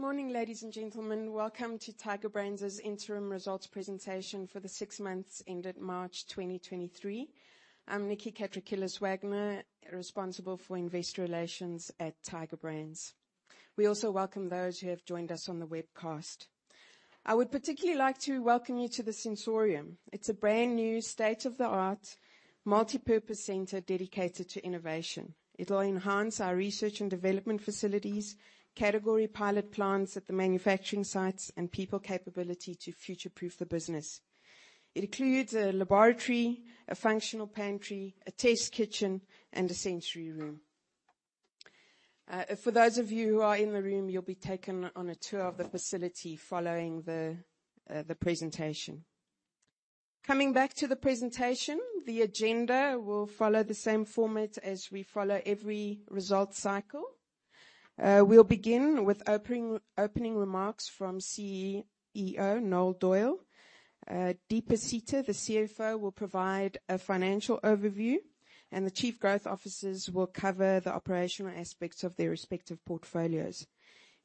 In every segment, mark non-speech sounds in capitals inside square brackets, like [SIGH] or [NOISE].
Good morning, ladies and gentlemen. Welcome to Tiger Brands' Interim Results presentation for the six months ended March 2023. I'm Nicky Catrakilis-Wagner, responsible for Investor Relations at Tiger Brands. We also welcome those who have joined us on the webcast. I would particularly like to welcome you to the Sensorium. It's a brand-new, state-of-the-art, multipurpose center dedicated to innovation. It will enhance our research and development facilities, category pilot plants at the manufacturing sites, and people capability to future-proof the business. It includes a laboratory, a functional pantry, a test kitchen, and a sensory room. For those of you who are in the room, you'll be taken on a tour of the facility following the presentation. Coming back to the presentation, the agenda will follow the same format as we follow every results cycle. We'll begin with opening remarks from CEO, Noel Doyle. Deepa Sita, the CFO, will provide a financial overview, and the chief growth officers will cover the operational aspects of their respective portfolios.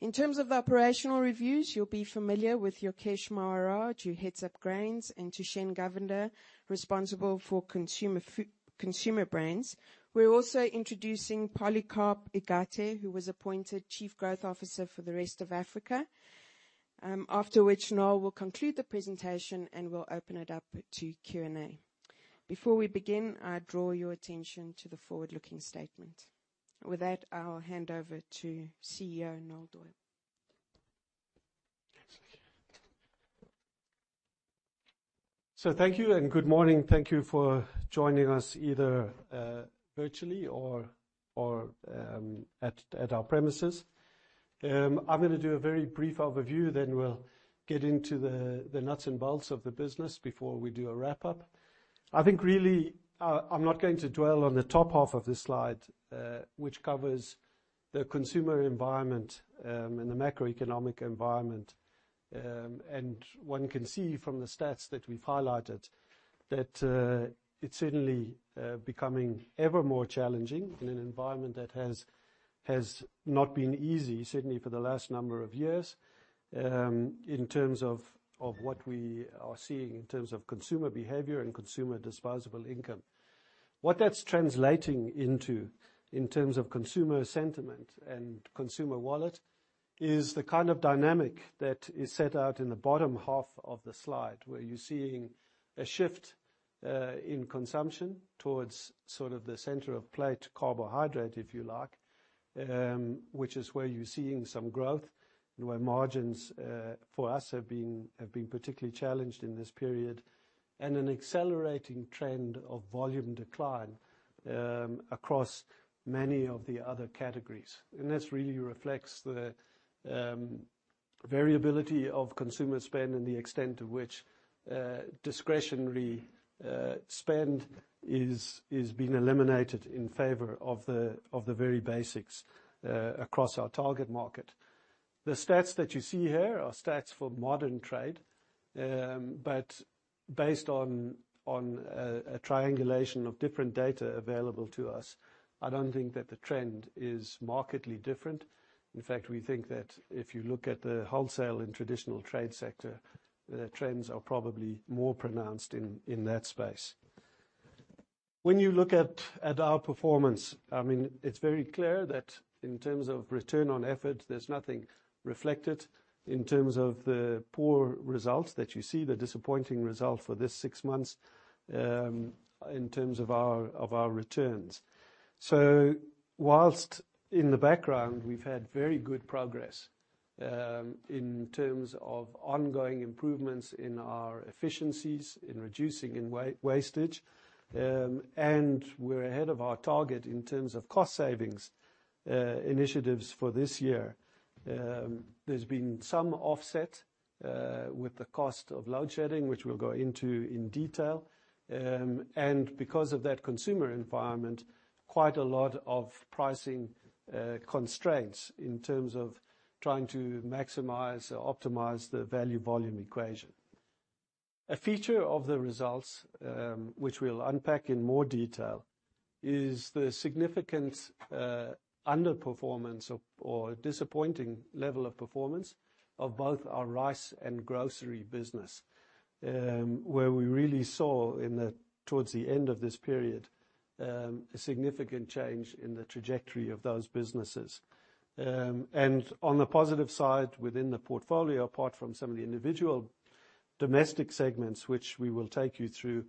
In terms of the operational reviews, you'll be familiar with Yokesh Maharaj, who heads up Grains, and Thushen Govender, responsible for consumer brands. We're also introducing Polycarp Igathe, who was appointed Chief Growth Officer for the Rest of Africa. After which Noel will conclude the presentation, and we'll open it up to Q&A. Before we begin, I draw your attention to the forward-looking statement. With that, I'll hand over to CEO, Noel Doyle. Thanks, Nicky. Thank you and good morning. Thank you for joining us, either virtually or at our premises. I'm gonna do a very brief overview, then we'll get into the nuts and bolts of the business before we do a wrap-up. I think really, I'm not going to dwell on the top half of this slide, which covers the consumer environment, and the macroeconomic environment. One can see from the stats that we've highlighted that it's certainly becoming ever more challenging in an environment that has not been easy, certainly for the last number of years, in terms of what we are seeing in terms of consumer behavior and consumer disposable income. What that's translating into in terms of consumer sentiment and consumer wallet, is the kind of dynamic that is set out in the bottom half of the slide, where you're seeing a shift in consumption towards sort of the center of plate carbohydrate, if you like, which is where you're seeing some growth, and where margins for us, have been particularly challenged in this period, and an accelerating trend of volume decline across many of the other categories. This really reflects the variability of consumer spend and the extent to which discretionary spend is being eliminated in favor of the very basics across our target market. The stats that you see here are stats for modern trade, but based on a triangulation of different data available to us, I don't think that the trend is markedly different. We think that if you look at the wholesale and traditional trade sector, the trends are probably more pronounced in that space. When you look at our performance, I mean, it's very clear that in terms of return on effort, there's nothing reflected in terms of the poor results that you see, the disappointing result for this six months, in terms of our returns. Whilst in the background, we've had very good progress, in terms of ongoing improvements in our efficiencies, in reducing wastage, and we're ahead of our target in terms of cost savings initiatives for this year. There's been some offset with the cost of load shedding, which we'll go into in detail. Because of that consumer environment, quite a lot of pricing constraints in terms of trying to maximize or optimize the value/volume equation. A feature of the results, which we'll unpack in more detail, is the significant underperformance of or disappointing level of performance of both our rice and grocery business, where we really saw towards the end of this period a significant change in the trajectory of those businesses. On the positive side, within the portfolio, apart from some of the individual domestic segments, which we will take you through,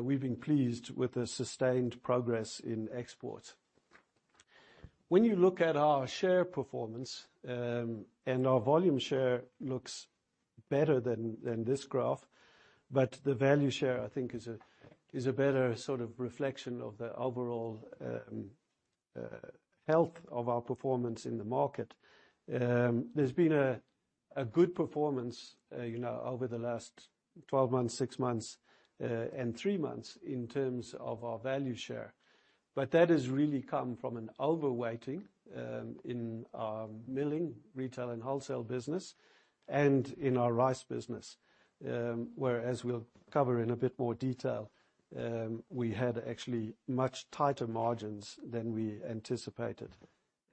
we've been pleased with the sustained progress in export. When you look at our share performance, our volume share looks better than this graph. The value share, I think, is a better sort of reflection of the overall health of our performance in the market. There's been a good performance, you know, over the last 12 months, 6 months and 3 months in terms of our value share, that has really come from an overweighting in our milling, retail, and wholesale business and in our rice business, where, as we'll cover in a bit more detail, we had actually much tighter margins than we anticipated,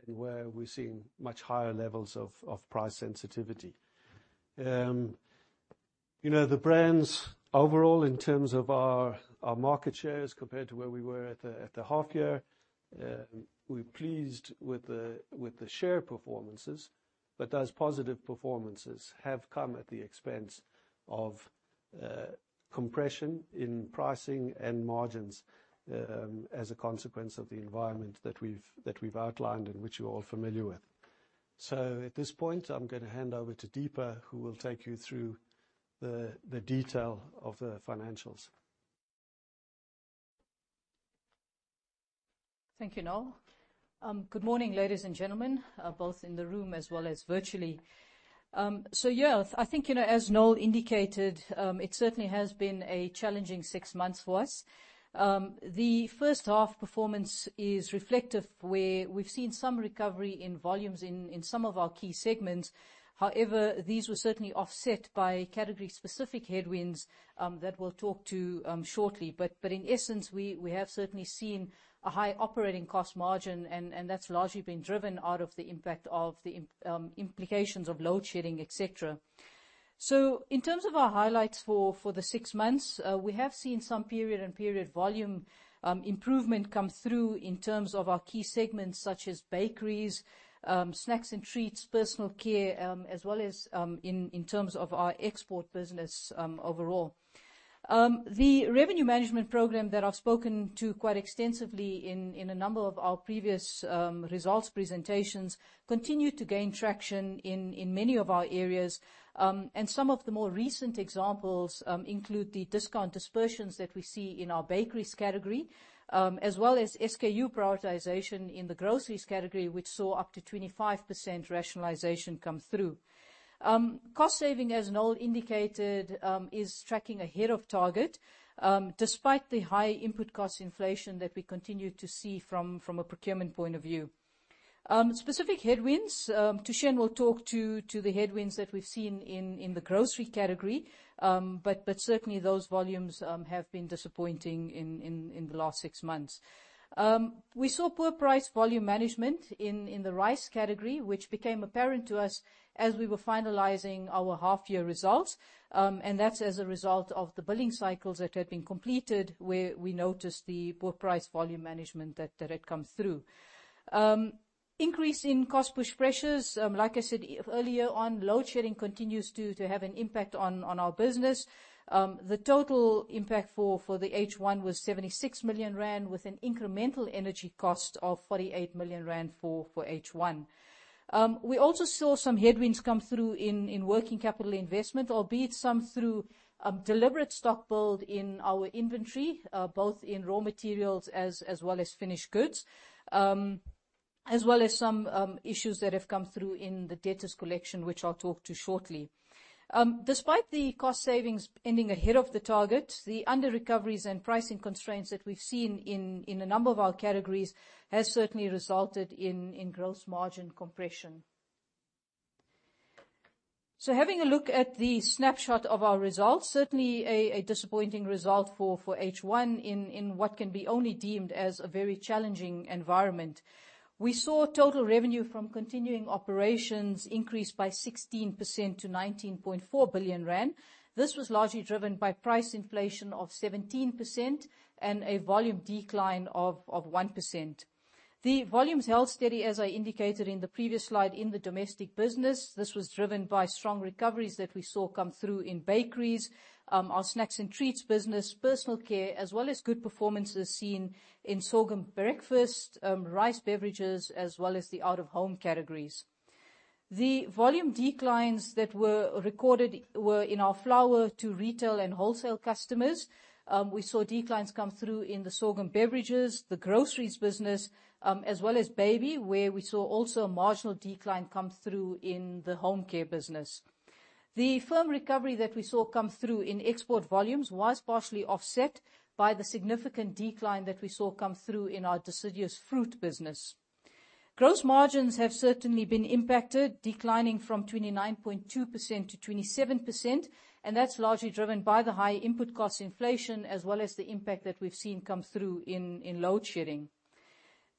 and where we're seeing much higher levels of price sensitivity. You know, the brands overall, in terms of our market shares compared to where we were at the half year, we're pleased with the share performances, but those positive performances have come at the expense of compression in pricing and margins, as a consequence of the environment that we've outlined and which you're all familiar with. At this point, I'm gonna hand over to Deepa, who will take you through the detail of the financials. Thank you, Noel. Good morning, ladies and gentlemen, both in the room as well as virtually. Yeah, I think, you know, as Noel indicated, it certainly has been a challenging six months for us. The first half performance is reflective, where we've seen some recovery in volumes in some of our key segments. However, these were certainly offset by category-specific headwinds that we'll talk to shortly. In essence, we have certainly seen a high operating cost margin, and that's largely been driven out of the impact of the implications of load shedding, et cetera. In terms of our highlights for the 6 months, we have seen some period and period volume improvement come through in terms of our key segments, such as bakeries, snacks and treats, personal care, as well as in terms of our export business overall. The revenue management program that I've spoken to quite extensively in a number of our previous results presentations, continued to gain traction in many of our areas. Some of the more recent examples include the discount dispersions that we see in our bakeries category, as well as SKU prioritization in the groceries category, which saw up to 25% rationalization come through. Cost saving, as Noel indicated, is tracking ahead of target, despite the high input cost inflation that we continue to see from a procurement point of view. Specific headwinds, Tushin will talk to the headwinds that we've seen in the grocery category. Certainly, those volumes have been disappointing in the last six months. We saw poor price volume management in the rice category, which became apparent to us as we were finalizing our half-year results. That's as a result of the billing cycles that had been completed, where we noticed the poor price volume management that had come through. Increase in cost push pressures, like I said earlier on, load shedding continues to have an impact on our business. The total impact for the H1 was 76 million rand, with an incremental energy cost of 48 million rand for H1. We also saw some headwinds come through in working capital investment, albeit some through deliberate stock build in our inventory, both in raw materials as well as finished goods. As well as some issues that have come through in the debtors collection, which I'll talk to shortly. Despite the cost savings ending ahead of the target, the underrecoveries and pricing constraints that we've seen in a number of our categories has certainly resulted in gross margin compression. Having a look at the snapshot of our results, certainly a disappointing result for H1 in what can be only deemed as a very challenging environment. We saw total revenue from continuing operations increase by 16% to 19.4 billion rand. This was largely driven by price inflation of 17% and a volume decline of 1%. The volumes held steady, as I indicated in the previous slide, in the domestic business. This was driven by strong recoveries that we saw come through in bakeries, our snacks and treats business, personal care, as well as good performances seen in sorghum breakfast, rice beverages, as well as the out-of-home categories. The volume declines that were recorded were in our flour to retail and wholesale customers. We saw declines come through in the sorghum beverages, the groceries business, as well as baby, where we saw also a marginal decline come through in the home care business. The firm recovery that we saw come through in export volumes was partially offset by the significant decline that we saw come through in our deciduous fruit business. Gross margins have certainly been impacted, declining from 29.2% to 27%, and that's largely driven by the high input cost inflation, as well as the impact that we've seen come through in load shedding.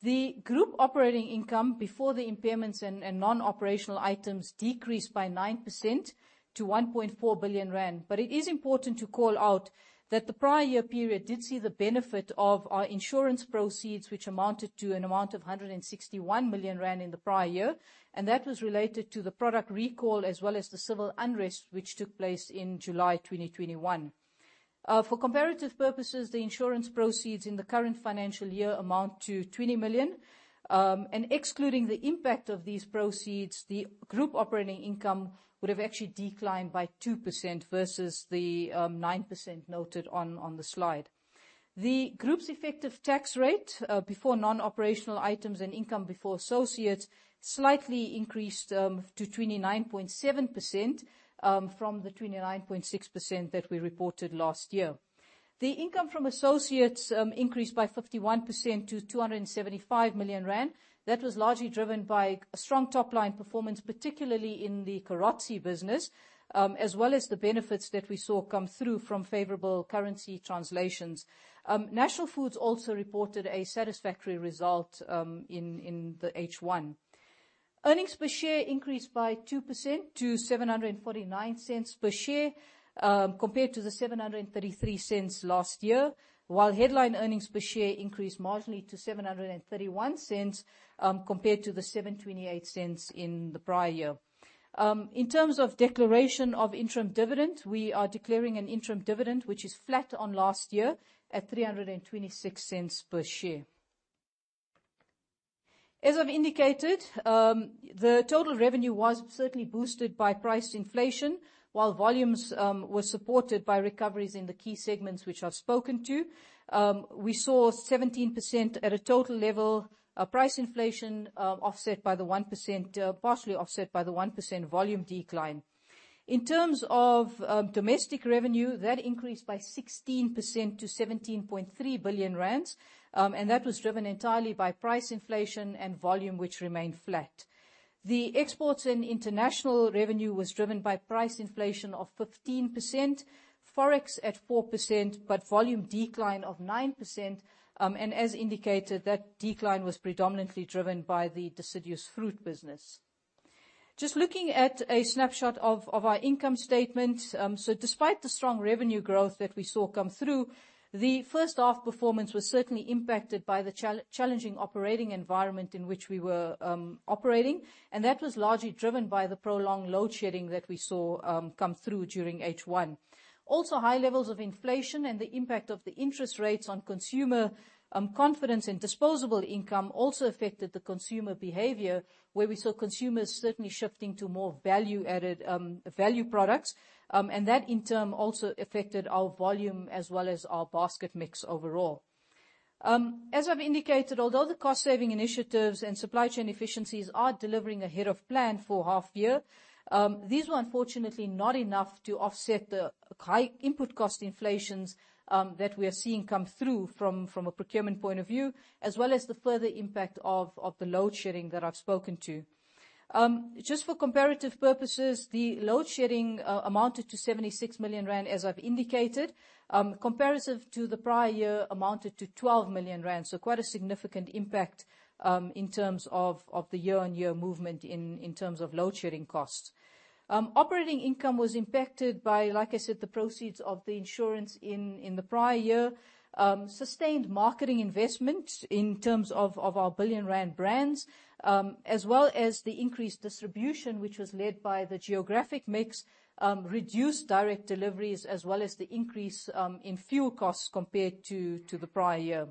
The group operating income before the impairments and non-operational items decreased by 9% to 1.4 billion rand. It is important to call out that the prior year period did see the benefit of our insurance proceeds, which amounted to 161 million rand in the prior year, and that was related to the product recall, as well as the civil unrest, which took place in July 2021. For comparative purposes, the insurance proceeds in the current financial year amount to 20 million. Excluding the impact of these proceeds, the group operating income would have actually declined by 2% versus the 9% noted on the slide. The group's effective tax rate, before non-operational items and income before associates, slightly increased to 29.7% from the 29.6% that we reported last year. The income from associates increased by 51% to 275 million rand. That was largely driven by a strong top-line performance, particularly in the Carozzi business, as well as the benefits that we saw come through from favorable currency translations. National Foods also reported a satisfactory result in the H1. Earnings per share increased by 2% to 7.49 per share, compared to 7.33 last year, while headline earnings per share increased marginally to 7.31, compared to 7.28 in the prior year. In terms of declaration of interim dividend, we are declaring an interim dividend, which is flat on last year, at 3.26 per share. As I've indicated, the total revenue was certainly boosted by price inflation, while volumes were supported by recoveries in the key segments which I've spoken to. We saw 17% at a total level, a price inflation, offset by the 1%, partially offset by the 1% volume decline. In terms of domestic revenue, that increased by 16% to 17.3 billion rand, that was driven entirely by price inflation and volume, which remained flat. The exports and international revenue was driven by price inflation of 15%, Forex at 4%, volume decline of 9%. As indicated, that decline was predominantly driven by the deciduous fruit business. Just looking at a snapshot of our income statement. Despite the strong revenue growth that we saw come through, the first half performance was certainly impacted by the challenging operating environment in which we were operating, that was largely driven by the prolonged load shedding that we saw come through during H1. High levels of inflation and the impact of the interest rates on consumer confidence and disposable income also affected the consumer behavior, where we saw consumers certainly shifting to more value-added value products, and that, in turn, also affected our volume as well as our basket mix overall. As I've indicated, although the cost-saving initiatives and supply chain efficiencies are delivering ahead of plan for half year, these were unfortunately not enough to offset the high input cost inflations that we are seeing come through from a procurement point of view, as well as the further impact of the load shedding that I've spoken to. Just for comparative purposes, the load shedding amounted to 76 million rand, as I've indicated. Comparative to the prior year, amounted to 12 million rand, so quite a significant impact in terms of the year-on-year movement in terms of load shedding costs. Operating income was impacted by, like I said, the proceeds of the insurance in the prior year. Sustained marketing investment in terms of our billion rand brands, as well as the increased distribution, which was led by the geographic mix, reduced direct deliveries, as well as the increase in fuel costs compared to the prior year.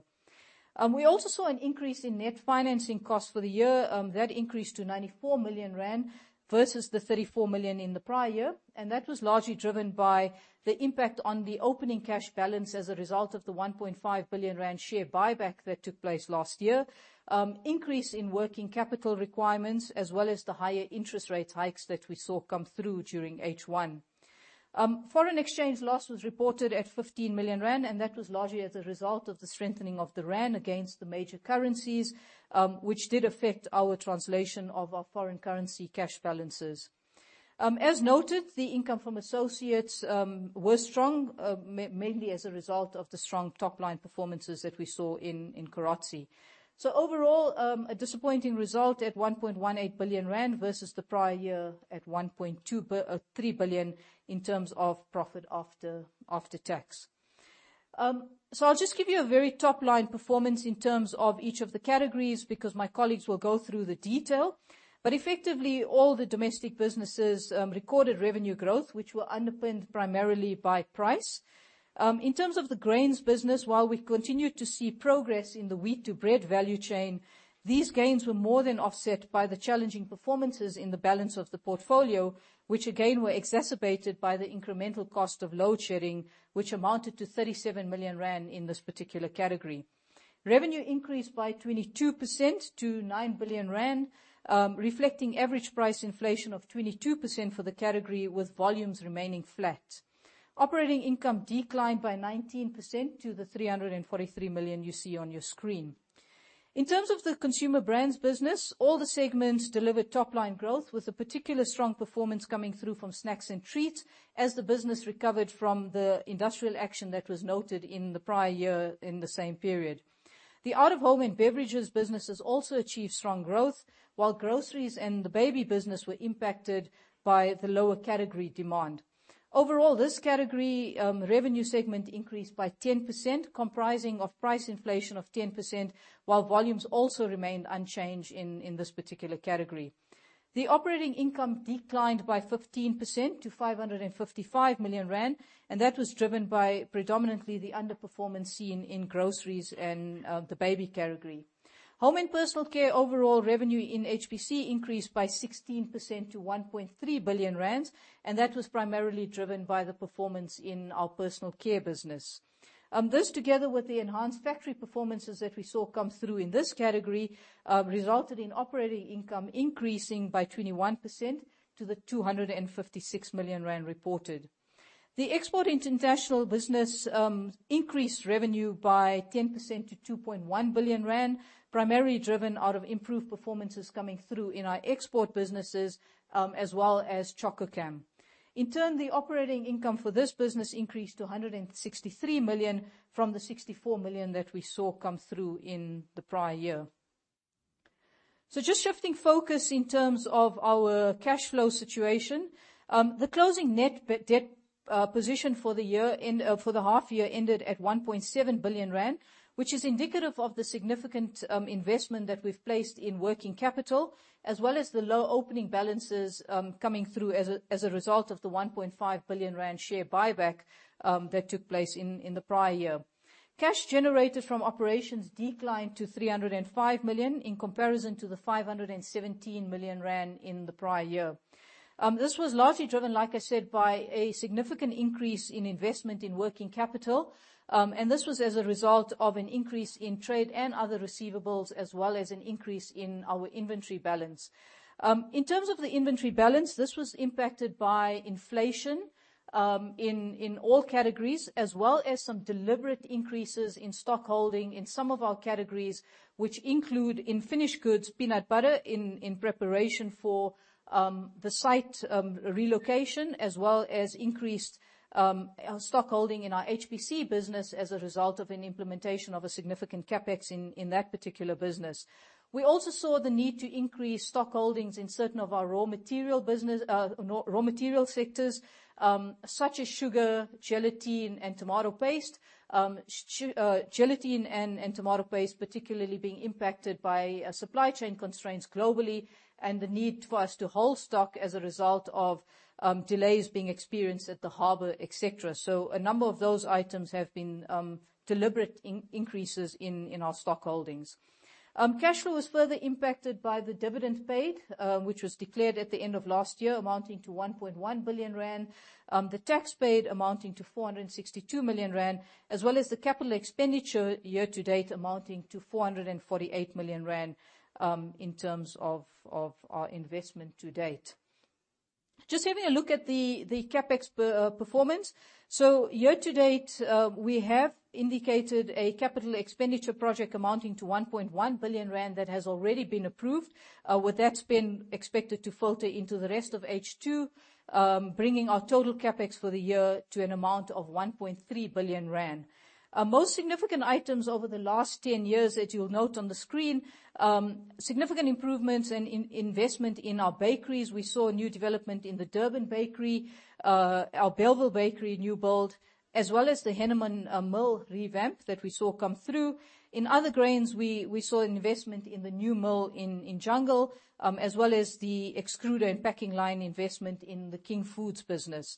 We also saw an increase in net financing costs for the year that increased to 94 million rand versus the 34 million in the prior year. That was largely driven by the impact on the opening cash balance as a result of the 1.5 billion rand share buyback that took place last year, increase in working capital requirements, as well as the higher interest rate hikes that we saw come through during H1. Foreign exchange loss was reported at 15 million rand. That was largely as a result of the strengthening of the rand against the major currencies, which did affect our translation of our foreign currency cash balances. As noted, the income from associates were strong, mainly as a result of the strong top-line performances that we saw in Carozzi. Overall, a disappointing result at 1.18 billion rand versus the prior year at 1.23 billion in terms of profit after tax. I'll just give you a very top-line performance in terms of each of the categories, because my colleagues will go through the detail. Effectively, all the domestic businesses recorded revenue growth, which were underpinned primarily by price. In terms of the grains business, while we continued to see progress in the wheat to bread value chain, these gains were more than offset by the challenging performances in the balance of the portfolio, which again, were exacerbated by the incremental cost of load shedding, which amounted to 37 million rand in this particular category. Revenue increased by 22% to 9 billion rand, reflecting average price inflation of 22% for the category, with volumes remaining flat. Operating income declined by 19% to 343 million you see on your screen. In terms of the consumer brands business, all the segments delivered top-line growth, with a particular strong performance coming through from Snacks and Treats, as the business recovered from the industrial action that was noted in the prior year, in the same period. The Out of Home and Beverages businesses also achieved strong growth, while Groceries and the Baby business were impacted by the lower category demand. Overall, this category revenue segment increased by 10%, comprising of price inflation of 10%, while volumes also remained unchanged in this particular category. The operating income declined by 15% to 555 million rand. That was driven by predominantly the underperformance seen in Groceries and the Baby category. Home and Personal Care, overall revenue in HPC increased by 16% to 1.3 billion rand. That was primarily driven by the performance in our personal care business. This, together with the enhanced factory performances that we saw come through in this category, resulted in operating income increasing by 21% to the 256 million rand reported. The export international business increased revenue by 10% to 2.1 billion rand, primarily driven out of improved performances coming through in our export businesses, as well as Chococam. In turn, the operating income for this business increased to 163 million from 64 million that we saw come through in the prior year. Just shifting focus in terms of our cash flow situation, the closing net debt position for the year end, for the half year ended at 1.7 billion rand, which is indicative of the significant investment that we've placed in working capital, as well as the low opening balances, coming through as a result of the 1.5 billion rand share buyback that took place in the prior year. Cash generated from operations declined to 305 million, in comparison to 517 million rand in the prior year. This was largely driven, like I said, by a significant increase in investment in working capital, and this was as a result of an increase in trade and other receivables, as well as an increase in our inventory balance. In terms of the inventory balance, this was impacted by inflation, in all categories, as well as some deliberate increases in stockholding in some of our categories, which include in finished goods, peanut butter, in preparation for the site relocation, as well as increased stockholding in our HPC business as a result of an implementation of a significant CapEx in that particular business. We also saw the need to increase stock holdings in certain of our raw material business, raw material sectors, such as sugar, gelatin, and tomato paste. Gelatin and tomato paste, particularly being impacted by supply chain constraints globally and the need for us to hold stock as a result of delays being experienced at the harbor, et cetera. A number of those items have been deliberate increases in our stock holdings. Cash flow was further impacted by the dividend paid, which was declared at the end of last year, amounting to 1.1 billion rand. The tax paid amounting to 462 million rand, as well as the capital expenditure year-to-date, amounting to 448 million rand, in terms of our investment to date. Just having a look at the CapEx performance. Year to date, we have indicated a capital expenditure project amounting to 1.1 billion rand that has already been approved, that's been expected to filter into the rest of H2, bringing our total CapEx for the year to an amount of 1.3 billion rand. Most significant items over the last 10 years that you'll note on the screen, significant improvements and investment in our bakeries. We saw a new development in the Durban bakery, our Bellville bakery, new build, as well as the Henneman mill revamp that we saw come through. In other grains, we saw investment in the new mill in Jungle, as well as the extruder and packing line investment in the King Foods business.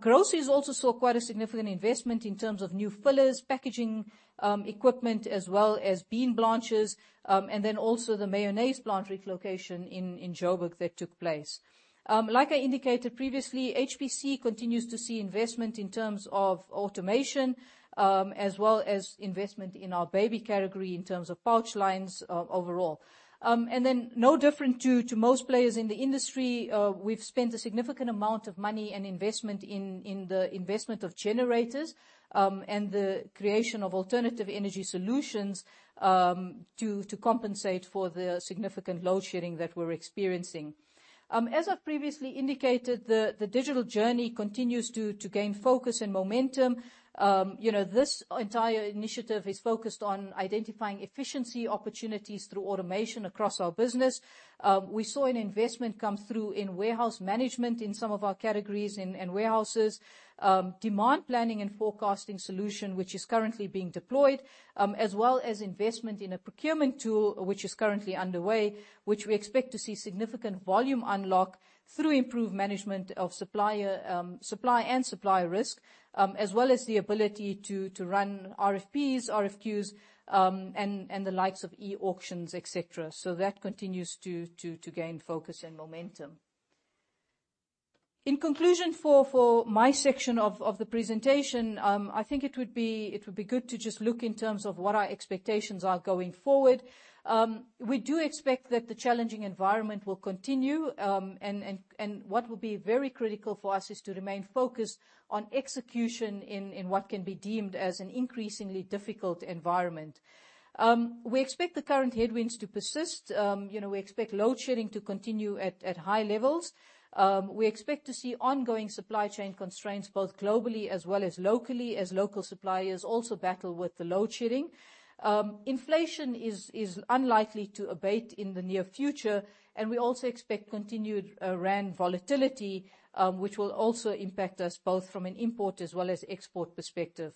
Groceries also saw quite a significant investment in terms of new fillers, packaging, equipment, as well as bean blanchers, and then also the mayonnaise blancher relocation in Jo'burg that took place. Like I indicated previously, HPC continues to see investment in terms of automation, as well as investment in our baby category in terms of pouch lines overall. No different to most players in the industry, we've spent a significant amount of money and investment in the investment of generators, and the creation of alternative energy solutions, to compensate for the significant load shedding that we're experiencing. As I've previously indicated, the digital journey continues to gain focus and momentum. You know, this entire initiative is focused on identifying efficiency opportunities through automation across our business. We saw an investment come through in warehouse management in some of our categories and warehouses, demand planning and forecasting solution, which is currently being deployed, as well as investment in a procurement tool, which is currently underway, which we expect to see significant volume unlock through improved management of supplier, supply and supplier risk, as well as the ability to run RFPs, RFQs, and the likes of e-auctions, et cetera. That continues to gain focus and momentum. In conclusion, for my section of the presentation, I think it would be good to just look in terms of what our expectations are going forward. We do expect that the challenging environment will continue, and what will be very critical for us is to remain focused on execution in what can be deemed as an increasingly difficult environment. We expect the current headwinds to persist. You know, we expect load shedding to continue at high levels. We expect to see ongoing supply chain constraints, both globally as well as locally, as local suppliers also battle with the load shedding. Inflation is unlikely to abate in the near future, and we also expect continued Rand volatility, which will also impact us both from an import as well as export perspective.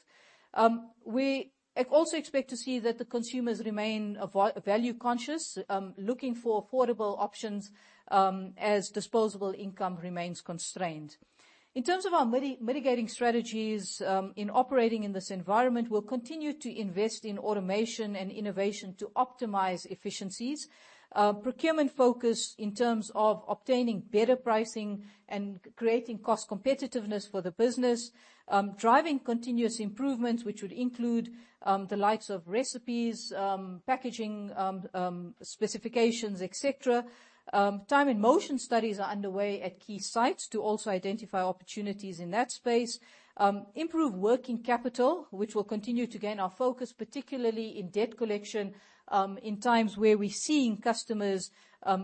We also expect to see that the consumers remain value conscious, looking for affordable options, as disposable income remains constrained. In terms of our mitigating strategies, in operating in this environment, we'll continue to invest in automation and innovation to optimize efficiencies. Procurement focus in terms of obtaining better pricing and creating cost competitiveness for the business. Driving continuous improvements, which would include the likes of recipes, packaging, specifications, et cetera. Time and motion studies are underway at key sites to also identify opportunities in that space. Improve working capital, which will continue to gain our focus, particularly in debt collection, in times where we're seeing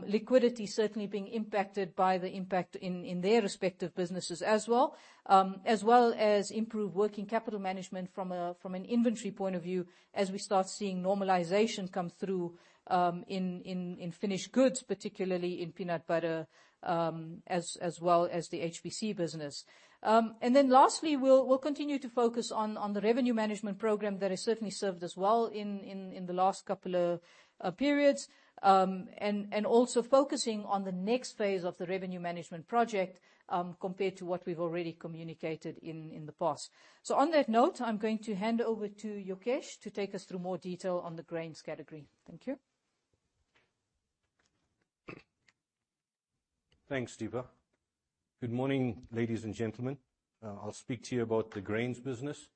liquidity certainly being impacted by the impact in their respective businesses as well. As well as improved working capital management from an inventory point of view, as we start seeing normalization come through in finished goods, particularly in peanut butter, as well as the HPC business. Lastly, we'll continue to focus on the revenue management program that has certainly served us well in the last couple of periods. Also focusing on the next phase of the revenue management project, compared to what we've already communicated in the past. On that note, I'm going to hand over to Yokesh to take us through more detail on the grains category. Thank you. Thanks, Deepa. Good morning, ladies and gentlemen. I'll speak to you about the grains business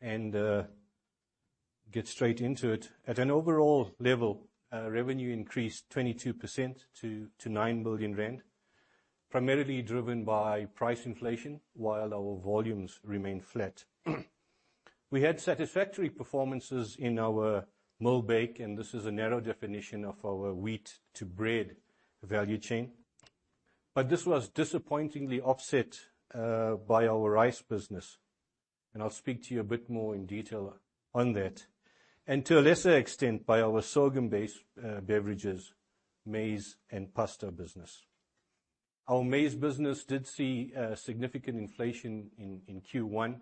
and get straight into it. At an overall level, revenue increased 22% to 9 billion rand, primarily driven by price inflation, while our volumes remained flat. We had satisfactory performances in our mill bake, and this is a narrow definition of our wheat to bread value chain. This was disappointingly offset by our rice business, and I'll speak to you a bit more in detail on that. To a lesser extent, by our sorghum-based beverages, maize and pasta business. Our maize business did see a significant inflation in Q1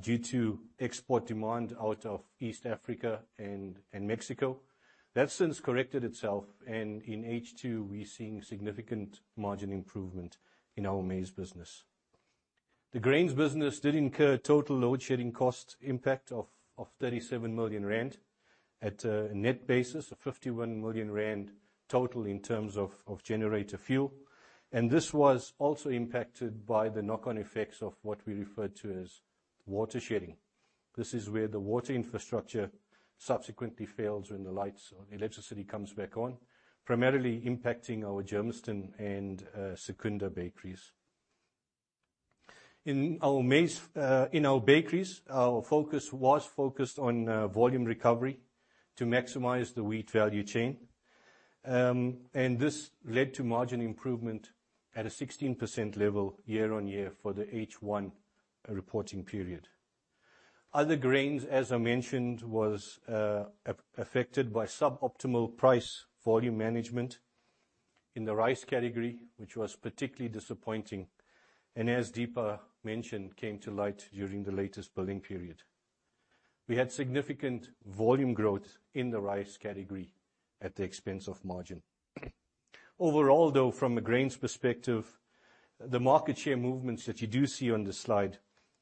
due to export demand out of East Africa and Mexico. That since corrected itself, and in H2, we're seeing significant margin improvement in our maize business. The grains business did incur total load shedding cost impact of 37 million rand, at a net basis of 51 million rand total in terms of generator fuel. This was also impacted by the knock-on effects of what we refer to as water shedding. This is where the water infrastructure subsequently fails when the lights or electricity comes back on, primarily impacting our Germiston and Secunda bakeries. In our bakeries, our focus was on volume recovery to maximize the wheat value chain. This led to margin improvement at a 16% level year-on-year for the H1 reporting period. Other grains, as I mentioned, was affected by suboptimal price volume management in the rice category, which was particularly disappointing, and as Deepa Sita mentioned, came to light during the latest billing period. We had significant volume growth in the rice category at the expense of margin. Overall, though, from a grains perspective, the market share movements that you do see on the slide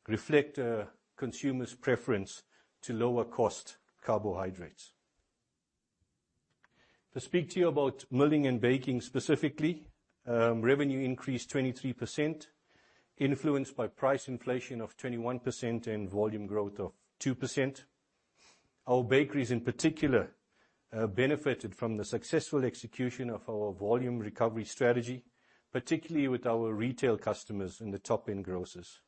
reflect a consumer's preference to lower-cost carbohydrates. To speak to you about milling and baking specifically, revenue increased 23%, influenced by price inflation of 21% and volume growth of 2%. Our bakeries in particular benefited from the successful execution of our volume recovery strategy, particularly with our retail customers in the top-end grocers.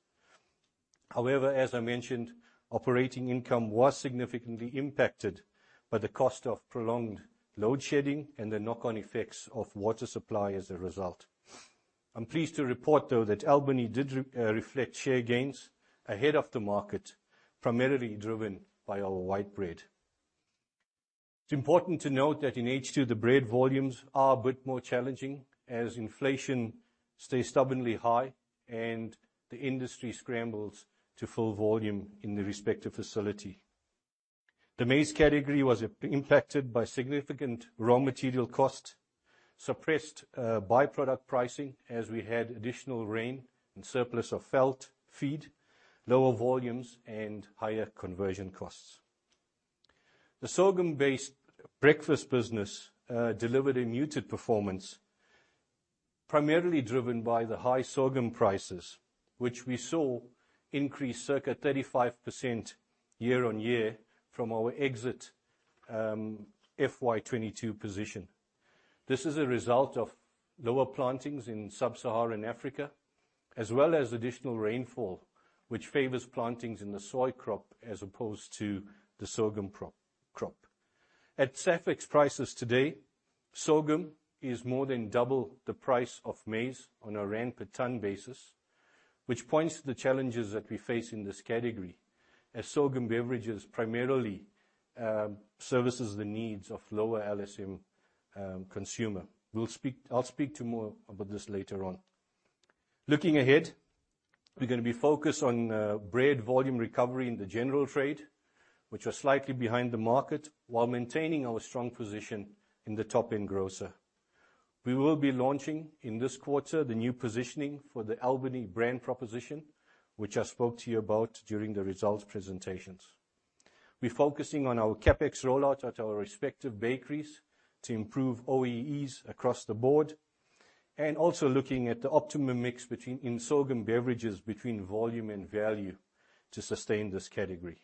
However, as I mentioned, operating income was significantly impacted by the cost of prolonged load shedding and the knock-on effects of water supply as a result. I'm pleased to report, though, that Albany did reflect share gains ahead of the market, primarily driven by our white bread. It's important to note that in H2, the bread volumes are a bit more challenging, as inflation stays stubbornly high and the industry scrambles to full volume in the respective facility. The maize category was impacted by significant raw material costs, suppressed by-product pricing, as we had additional rain and surplus of felled feed, lower volumes, and higher conversion costs. The sorghum-based breakfast business delivered a muted performance, primarily driven by the high sorghum prices, which we saw increase circa 35% year-on-year from our exit FY 2022 position. This is a result of lower plantings in Sub-Saharan Africa, as well as additional rainfall, which favors plantings in the soy crop as opposed to the sorghum crop. At SAFEX prices today, sorghum is more than double the price of maize on a ZAR per ton basis, which points to the challenges that we face in this category, as sorghum beverages primarily services the needs of lower LSM consumer. I'll speak to more about this later on. Looking ahead, we're gonna be focused on bread volume recovery in the general trade, which are slightly behind the market, while maintaining our strong position in the top-end grocer. We will be launching, in this quarter, the new positioning for the Albany brand proposition, which I spoke to you about during the results presentations. We're focusing on our CapEx rollout at our respective bakeries to improve OEEs across the board, and also looking at the optimum mix between, in sorghum beverages, between volume and value to sustain this category.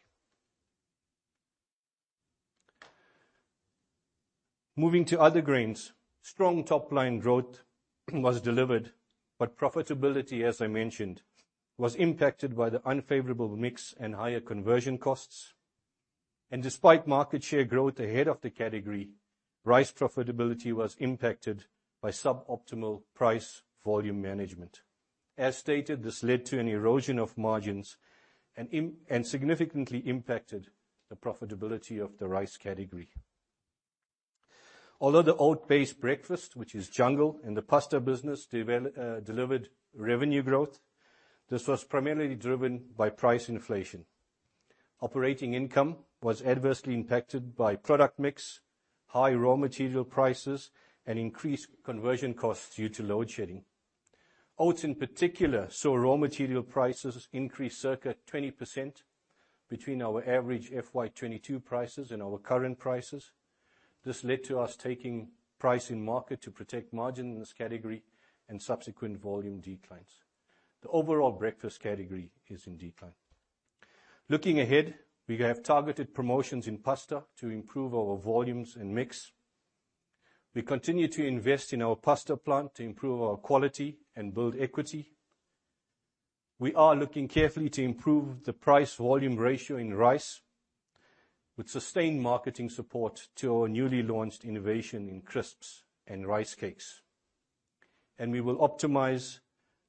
Moving to other grains, strong top-line growth was delivered, but profitability, as I mentioned, was impacted by the unfavorable mix and higher conversion costs. Despite market share growth ahead of the category, rice profitability was impacted by suboptimal price volume management. As stated, this led to an erosion of margins and significantly impacted the profitability of the rice category. Although the oat-based breakfast, which is Jungle, and the pasta business delivered revenue growth, this was primarily driven by price inflation. Operating income was adversely impacted by product mix, high raw material prices, and increased conversion costs due to load shedding. Oats, in particular, saw raw material prices increase circa 20% between our average FY 2022 prices and our current prices. This led to us taking price in market to protect margin in this category and subsequent volume declines. The overall breakfast category is in decline. Looking ahead, we have targeted promotions in pasta to improve our volumes and mix. We continue to invest in our pasta plant to improve our quality and build equity. We are looking carefully to improve the price volume ratio in rice, with sustained marketing support to our newly launched innovation in crisps and rice cakes. We will optimize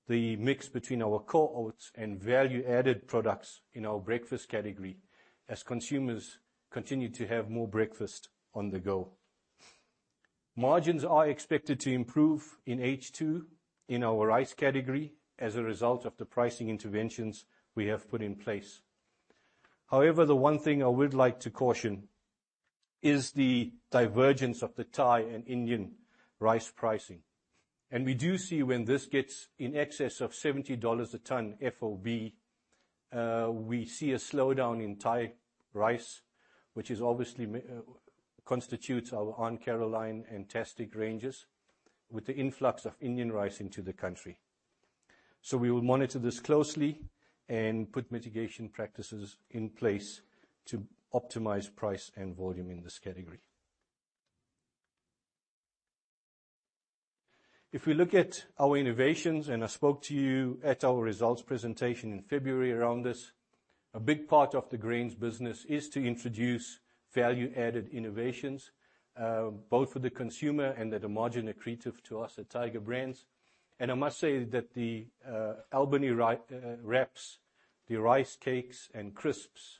the mix between our core oats and value-added products in our breakfast category as consumers continue to have more breakfast on the go. Margins are expected to improve in H2 in our rice category as a result of the pricing interventions we have put in place. However, the one thing I would like to caution is the divergence of the Thai and Indian rice pricing. We do see when this gets in excess of $70 a ton, FOB, we see a slowdown in Thai rice, which obviously constitutes our Aunt Caroline and Tastic ranges, with the influx of Indian rice into the country. We will monitor this closely and put mitigation practices in place to optimize price and volume in this category. If we look at our innovations, and I spoke to you at our results presentation in February around this, a big part of the grains business is to introduce value-added innovations, both for the consumer and that are margin accretive to us at Tiger Brands. I must say that the Albany wraps, the rice cakes and crisps,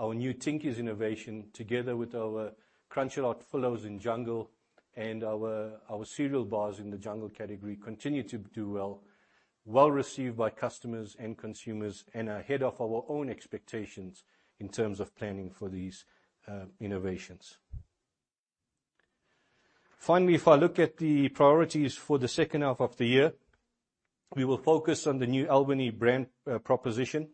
our new Tinkies innovation, together with our Crunchalots Fillows in Jungle, and our cereal bars in the Jungle category, continue to do well received by customers and consumers, and ahead of our own expectations in terms of planning for these innovations. Finally, if I look at the priorities for the second half of the year, we will focus on the new Albany brand proposition.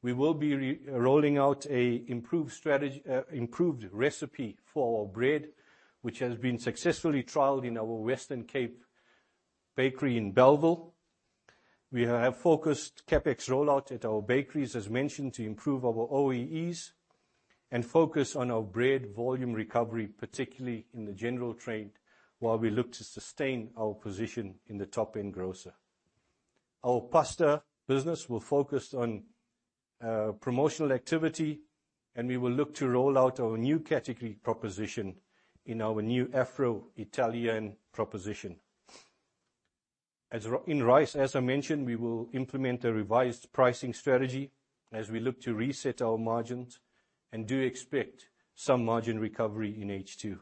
We will be rolling out a improved strategy, improved recipe for our bread, which has been successfully trialed in our Western Cape bakery in Bellville. We have focused CapEx rollout at our bakeries, as mentioned, to improve our OEEs and focus on our bread volume recovery, particularly in the general trade, while we look to sustain our position in the top-end grocer. Our pasta business will focus on promotional activity, we will look to roll out our new category proposition in our new Afro-Italian proposition. In rice, as I mentioned, we will implement a revised pricing strategy as we look to reset our margins and do expect some margin recovery in H2.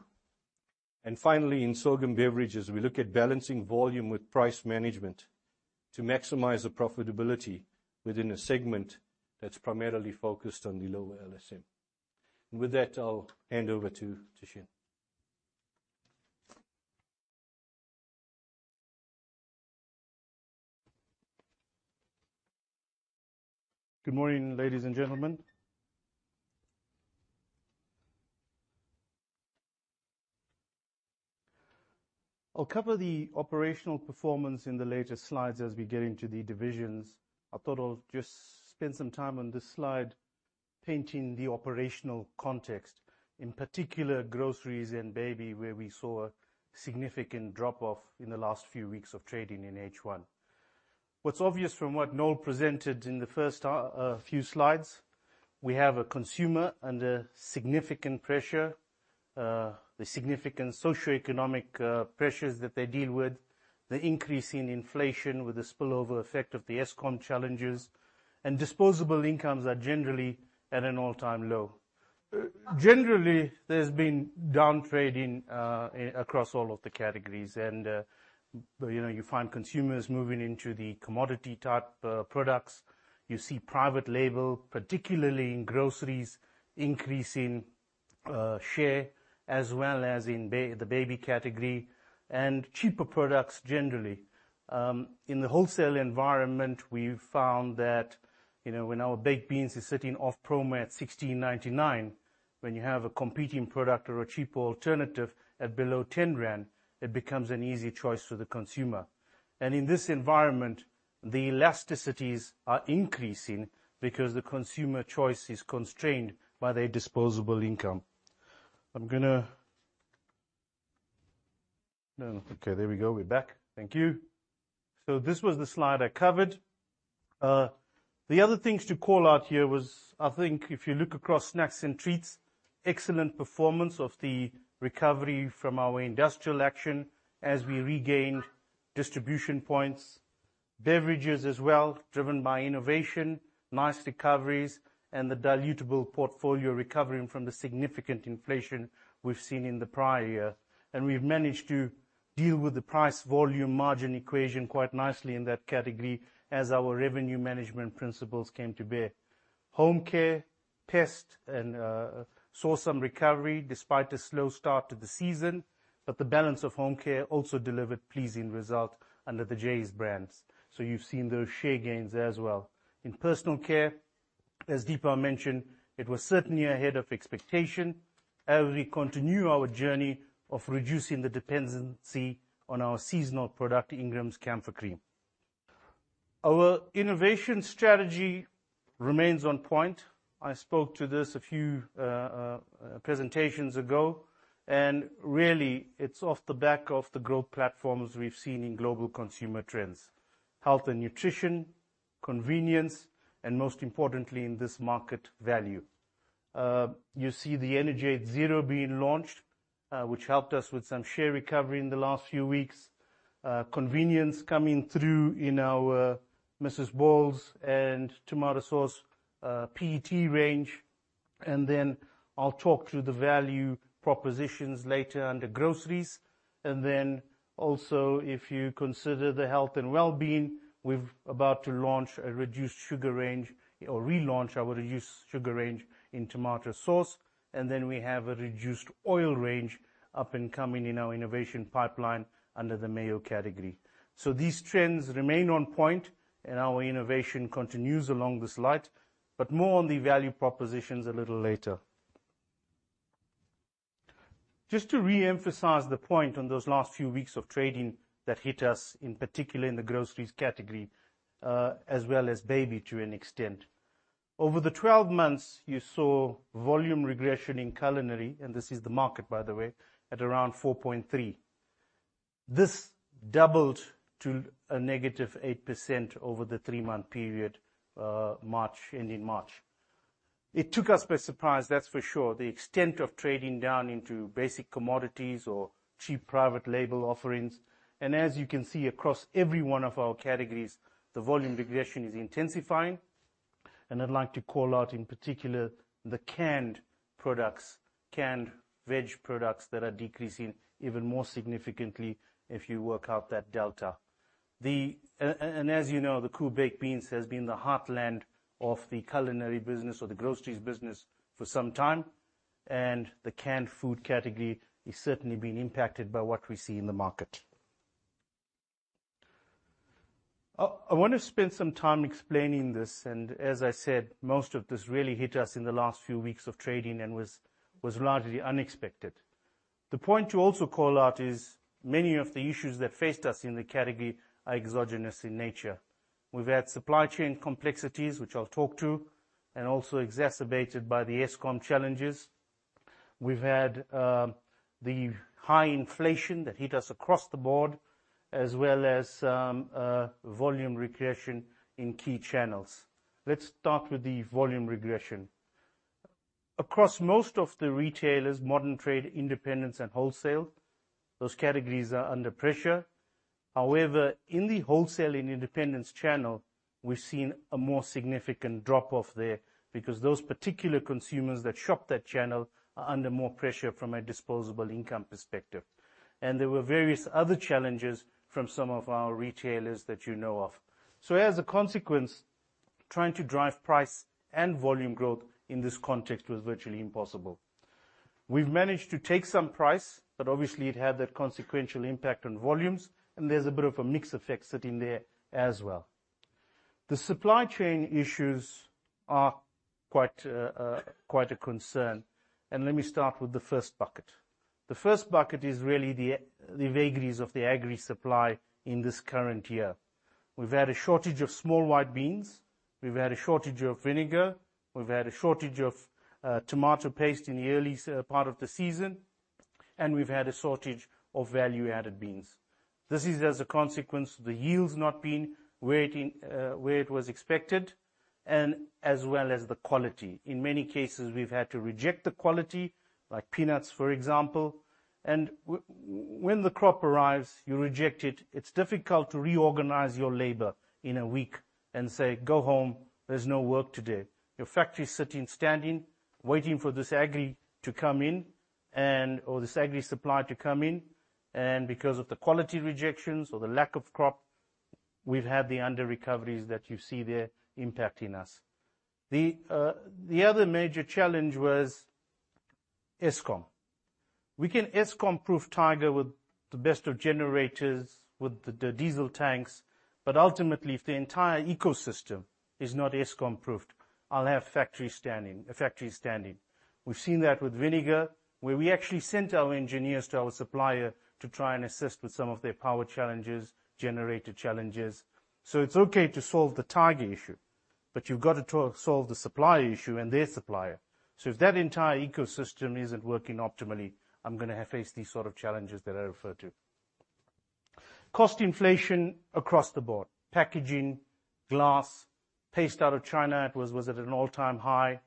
Finally, in sorghum beverages, we look at balancing volume with price management to maximize the profitability within a segment that's primarily focused on the lower LSM. With that, I'll hand over to Thushen. Good morning, ladies and gentlemen. I'll cover the operational performance in the later slides as we get into the divisions. I thought I'll just spend some time on this slide, painting the operational context, in particular, groceries and baby, where we saw a significant drop-off in the last few weeks of trading in H1. What's obvious from what Noel presented in the first few slides, we have a consumer under significant pressure, the significant socioeconomic pressures that they deal with, the increase in inflation with the spillover effect of the Eskom challenges. Disposable incomes are generally at an all-time low. Generally, there's been downtrading across all of the categories. You know, you find consumers moving into the commodity-type products. You see private label, particularly in groceries, increasing share, as well as in. the baby category and cheaper products generally. In the wholesale environment, we've found that, you know, when our baked beans is sitting off promo at 16.99, when you have a competing product or a cheaper alternative at below 10 rand, it becomes an easy choice for the consumer. In this environment, the elasticities are increasing because the consumer choice is constrained by their disposable income. No. Okay, there we go. We're back. Thank you. This was the slide I covered. The other things to call out here was, I think, if you look across snacks and treats, excellent performance of the recovery from our industrial action as we regained distribution points. Beverages as well, driven by innovation, nice recoveries, and the dilutable portfolio recovering from the significant inflation we've seen in the prior year. We've managed to deal with the price-volume margin equation quite nicely in that category, as our revenue management principles came to bear. Home care, pest, and saw some recovery despite a slow start to the season, but the balance of home care also delivered pleasing result under the Jeyes brands. You've seen those share gains there as well. In personal care, as Deepa mentioned, it was certainly ahead of expectation as we continue our journey of reducing the dependency on our seasonal product, Ingram's Camphor Cream. Our innovation strategy remains on point. I spoke to this a few presentations ago, and really, it's off the back of the growth platforms we've seen in global consumer trends: health and nutrition, convenience, and most importantly, in this market, value. You see the Energade Zero being launched, which helped us with some share recovery in the last few weeks. Convenience coming through in our Mrs Balls and tomato sauce PET range. I'll talk through the value propositions later under groceries. If you consider the health and well-being, we've about to launch a reduced sugar range or relaunch our reduced sugar range in tomato sauce, and then we have a reduced oil range up and coming in our innovation pipeline under the mayo category. These trends remain on point, and our innovation continues along this line, but more on the value propositions a little later. Just to reemphasize the point on those last few weeks of trading that hit us, in particular in the groceries category, as well as baby, to an extent. Over the 12 months, you saw volume regression in culinary, and this is the market, by the way, at around 4.3. This doubled to a negative 8% over the 3-month period, March, ending March. It took us by surprise, that's for sure. The extent of trading down into basic commodities or cheap private label offerings. As you can see, across every one of our categories, the volume regression is intensifying. I'd like to call out, in particular, the canned products, canned veg products that are decreasing even more significantly if you work out that delta. As you know, the KOO baked beans has been the heartland of the culinary business or the groceries business for some time, and the canned food category is certainly being impacted by what we see in the market. I want to spend some time explaining this, and as I said, most of this really hit us in the last few weeks of trading and was largely unexpected. The point to also call out is many of the issues that faced us in the category are exogenous in nature. We've had supply chain complexities, which I'll talk to, and also exacerbated by the Eskom challenges. We've had the high inflation that hit us across the board, as well as volume regression in key channels. Let's start with the volume regression. Across most of the retailers, modern trade, independents, and wholesale, those categories are under pressure. However, in the wholesale and independents channel, we've seen a more significant drop-off there because those particular consumers that shop that channel are under more pressure from a disposable income perspective. There were various other challenges from some of our retailers that you know of. As a consequence, trying to drive price and volume growth in this context was virtually impossible. We've managed to take some price, but obviously, it had that consequential impact on volumes, and there's a bit of a mix effect sitting there as well. The supply chain issues are quite a concern, and let me start with the first bucket. The first bucket is really the vagaries of the agri supply in this current year. We've had a shortage of small white beans, we've had a shortage of vinegar, we've had a shortage of tomato paste in the early part of the season, and we've had a shortage of value-added beans. This is as a consequence of the yields not being where it was expected and as well as the quality. In many cases, we've had to reject the quality, like peanuts, for example. When the crop arrives, you reject it. It's difficult to reorganize your labor in a week and say, "Go home. There's no work today." Your factory is sitting, standing, waiting for this agri to come in or this agri supply to come in, and because of the quality rejections or the lack of crop, we've had the underrecoveries that you see there impacting us. The other major challenge was Eskom. We can Eskom-proof Tiger with the best of generators, with the diesel tanks, but ultimately, if the entire ecosystem is not Eskom-proofed, I'll have factories standing, a factory standing. We've seen that with vinegar, where we actually sent our engineers to our supplier to try and assist with some of their power challenges, generator challenges. It's okay to solve the Tiger issue. But you've got to solve the supply issue and their supplier. If that entire ecosystem isn't working optimally, I'm gonna have face these sort of challenges that I referred to. Cost inflation across the board: packaging, glass, paste out of China, it was at an all-time high.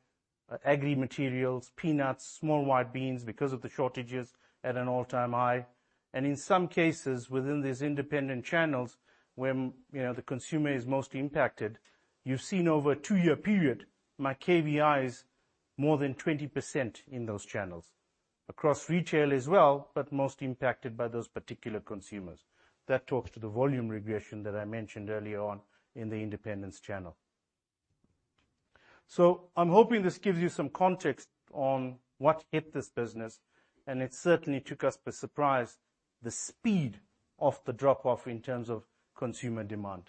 Agri materials, peanuts, small white beans, because of the shortages, at an all-time high. In some cases, within these independent channels, when, you know, the consumer is most impacted, you've seen over a two-year period, my KVIs more than 20% in those channels. Across retail as well, but most impacted by those particular consumers. That talks to the volume regression that I mentioned earlier on in the independence channel. I'm hoping this gives you some context on what hit this business, and it certainly took us by surprise, the speed of the drop-off in terms of consumer demand.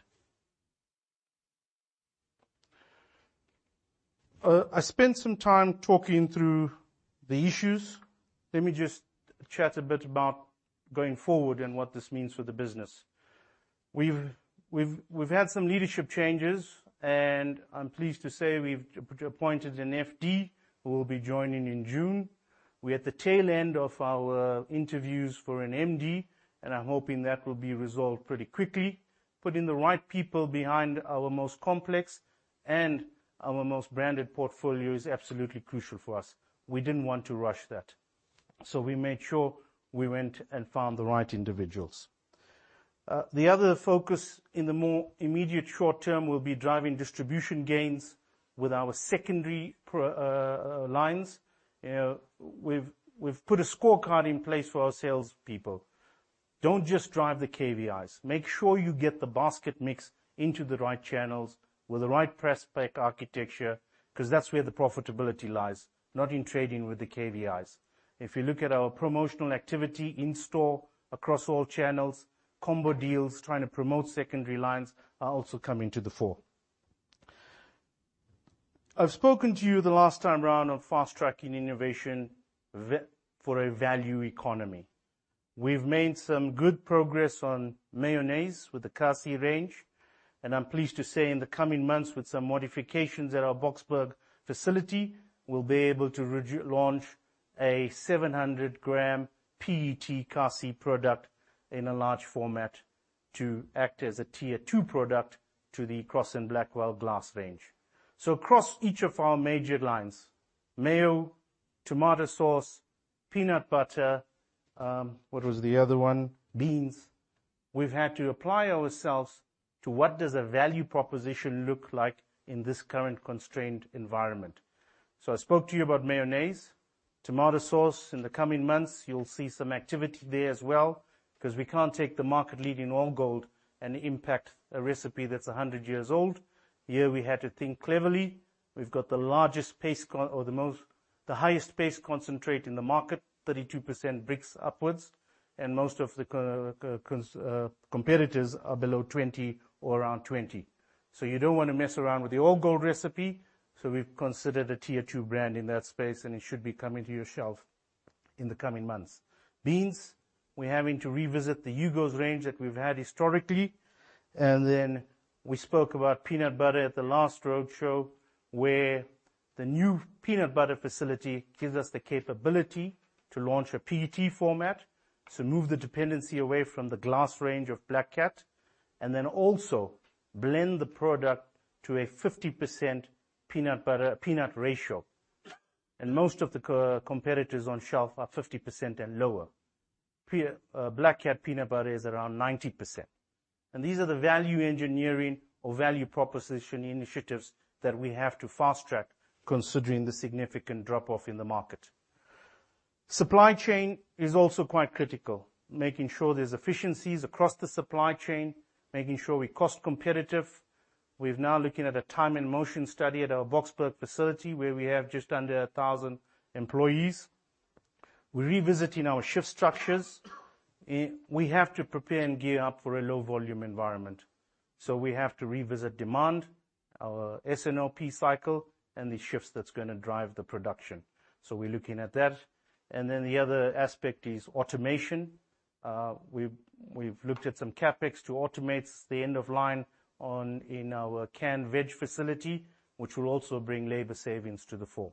I spent some time talking through the issues. Let me just chat a bit about going forward and what this means for the business. We've had some leadership changes, and I'm pleased to say we've appointed an FD, who will be joining in June. We're at the tail end of our interviews for an MD, and I'm hoping that will be resolved pretty quickly. Putting the right people behind our most complex and our most branded portfolio is absolutely crucial for us. We didn't want to rush that, we made sure we went and found the right individuals. The other focus in the more immediate short term will be driving distribution gains with our secondary lines. You know, we've put a scorecard in place for our salespeople. Don't just drive the KVIs. Make sure you get the basket mix into the right channels with the right press pack architecture, 'cause that's where the profitability lies, not in trading with the KVIs. If you look at our promotional activity in store across all channels, combo deals, trying to promote secondary lines, are also coming to the fore. I've spoken to you the last time around on fast-tracking innovation for a value economy. We've made some good progress on mayonnaise with the Kasi range. I'm pleased to say in the coming months, with some modifications at our Boksburg facility, we'll be able to launch a 700 gram PET Kasi product in a large format to act as a tier 2 product to the Crosse & Blackwell glass range. Across each of our major lines, mayo, tomato sauce, peanut butter, what was the other one? Beans. We've had to apply ourselves to what does a value proposition look like in this current constrained environment. I spoke to you about mayonnaise. Tomato sauce, in the coming months, you'll see some activity there as well, 'cause we can't take the market leading All Gold and impact a recipe that's 100 years old. Here, we had to think cleverly. We've got the largest paste or the most... the highest paste concentrate in the market, 32% Brix upwards, and most of the competitors are below 20 or around 20. You don't wanna mess around with the All Gold recipe, so we've considered a tier two brand in that space, and it should be coming to your shelf in the coming months. Beans, we're having to revisit the Hugo's range that we've had historically. Then we spoke about peanut butter at the last roadshow, where the new peanut butter facility gives us the capability to launch a PET format. Move the dependency away from the glass range of Black Cat, and then also blend the product to a 50% peanut butter, peanut ratio. Most of the competitors on shelf are 50% and lower. Black Cat peanut butter is around 90%. These are the value engineering or value proposition initiatives that we have to fast-track, considering the significant drop-off in the market. Supply chain is also quite critical, making sure there's efficiencies across the supply chain, making sure we're cost competitive. We've now looking at a time and motion study at our Boksburg facility, where we have just under 1,000 employees. We're revisiting our shift structures. We have to prepare and gear up for a low volume environment, so we have to revisit demand, our S&OP cycle, and the shifts that's gonna drive the production. We're looking at that. The other aspect is automation. We've looked at some CapEx to automate the end of line on, in our canned veg facility, which will also bring labor savings to the fore.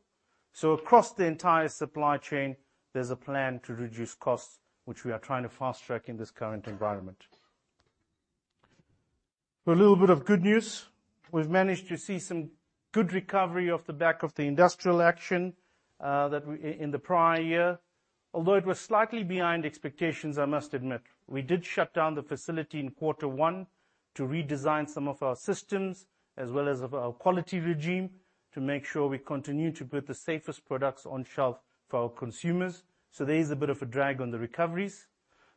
Across the entire supply chain, there's a plan to reduce costs, which we are trying to fast-track in this current environment. A little bit of good news. We've managed to see some good recovery off the back of the industrial action that we in the prior year. Although it was slightly behind expectations, I must admit. We did shut down the facility in Q1 to redesign some of our systems, as well as of our quality regime, to make sure we continue to put the safest products on shelf for our consumers. There is a bit of a drag on the recoveries.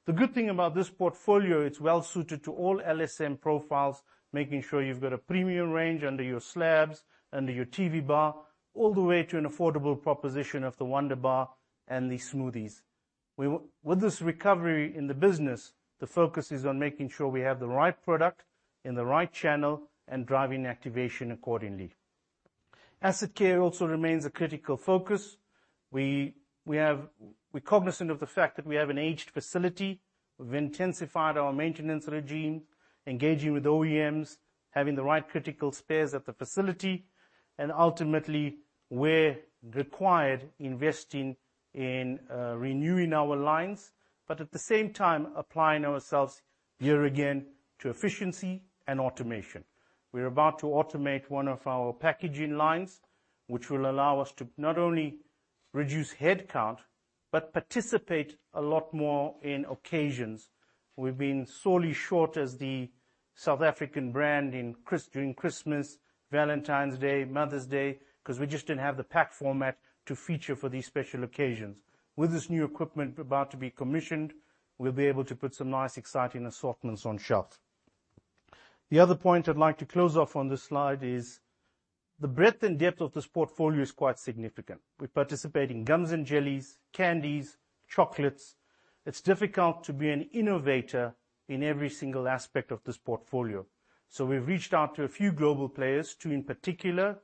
The good thing about this portfolio, it's well suited to all LSM profiles, making sure you've got a premium range under your slabs, under your TV bar, all the way to an affordable proposition of the Wonder Bar and the smoothies. With this recovery in the business, the focus is on making sure we have the right product in the right channel and driving activation accordingly. Asset care also remains a critical focus. We're cognizant of the fact that we have an aged facility. We've intensified our maintenance regime, engaging with OEMs, having the right critical spares at the facility, and ultimately, where required, investing in renewing our lines, but at the same time, applying ourselves year again to efficiency and automation. We're about to automate one of our packaging lines, which will allow us to not only reduce headcount, but participate a lot more in occasions. We've been sorely short as the South African brand during Christmas, Valentine's Day, Mother's Day, 'cause we just didn't have the pack format to feature for these special occasions. With this new equipment about to be commissioned, we'll be able to put some nice, exciting assortments on shelf. The other point I'd like to close off on this slide is, the breadth and depth of this portfolio is quite significant. We participate in gums and jellies, candies, chocolates. It's difficult to be an innovator in every single aspect of this portfolio. We've reached out to a few global players, two in particular,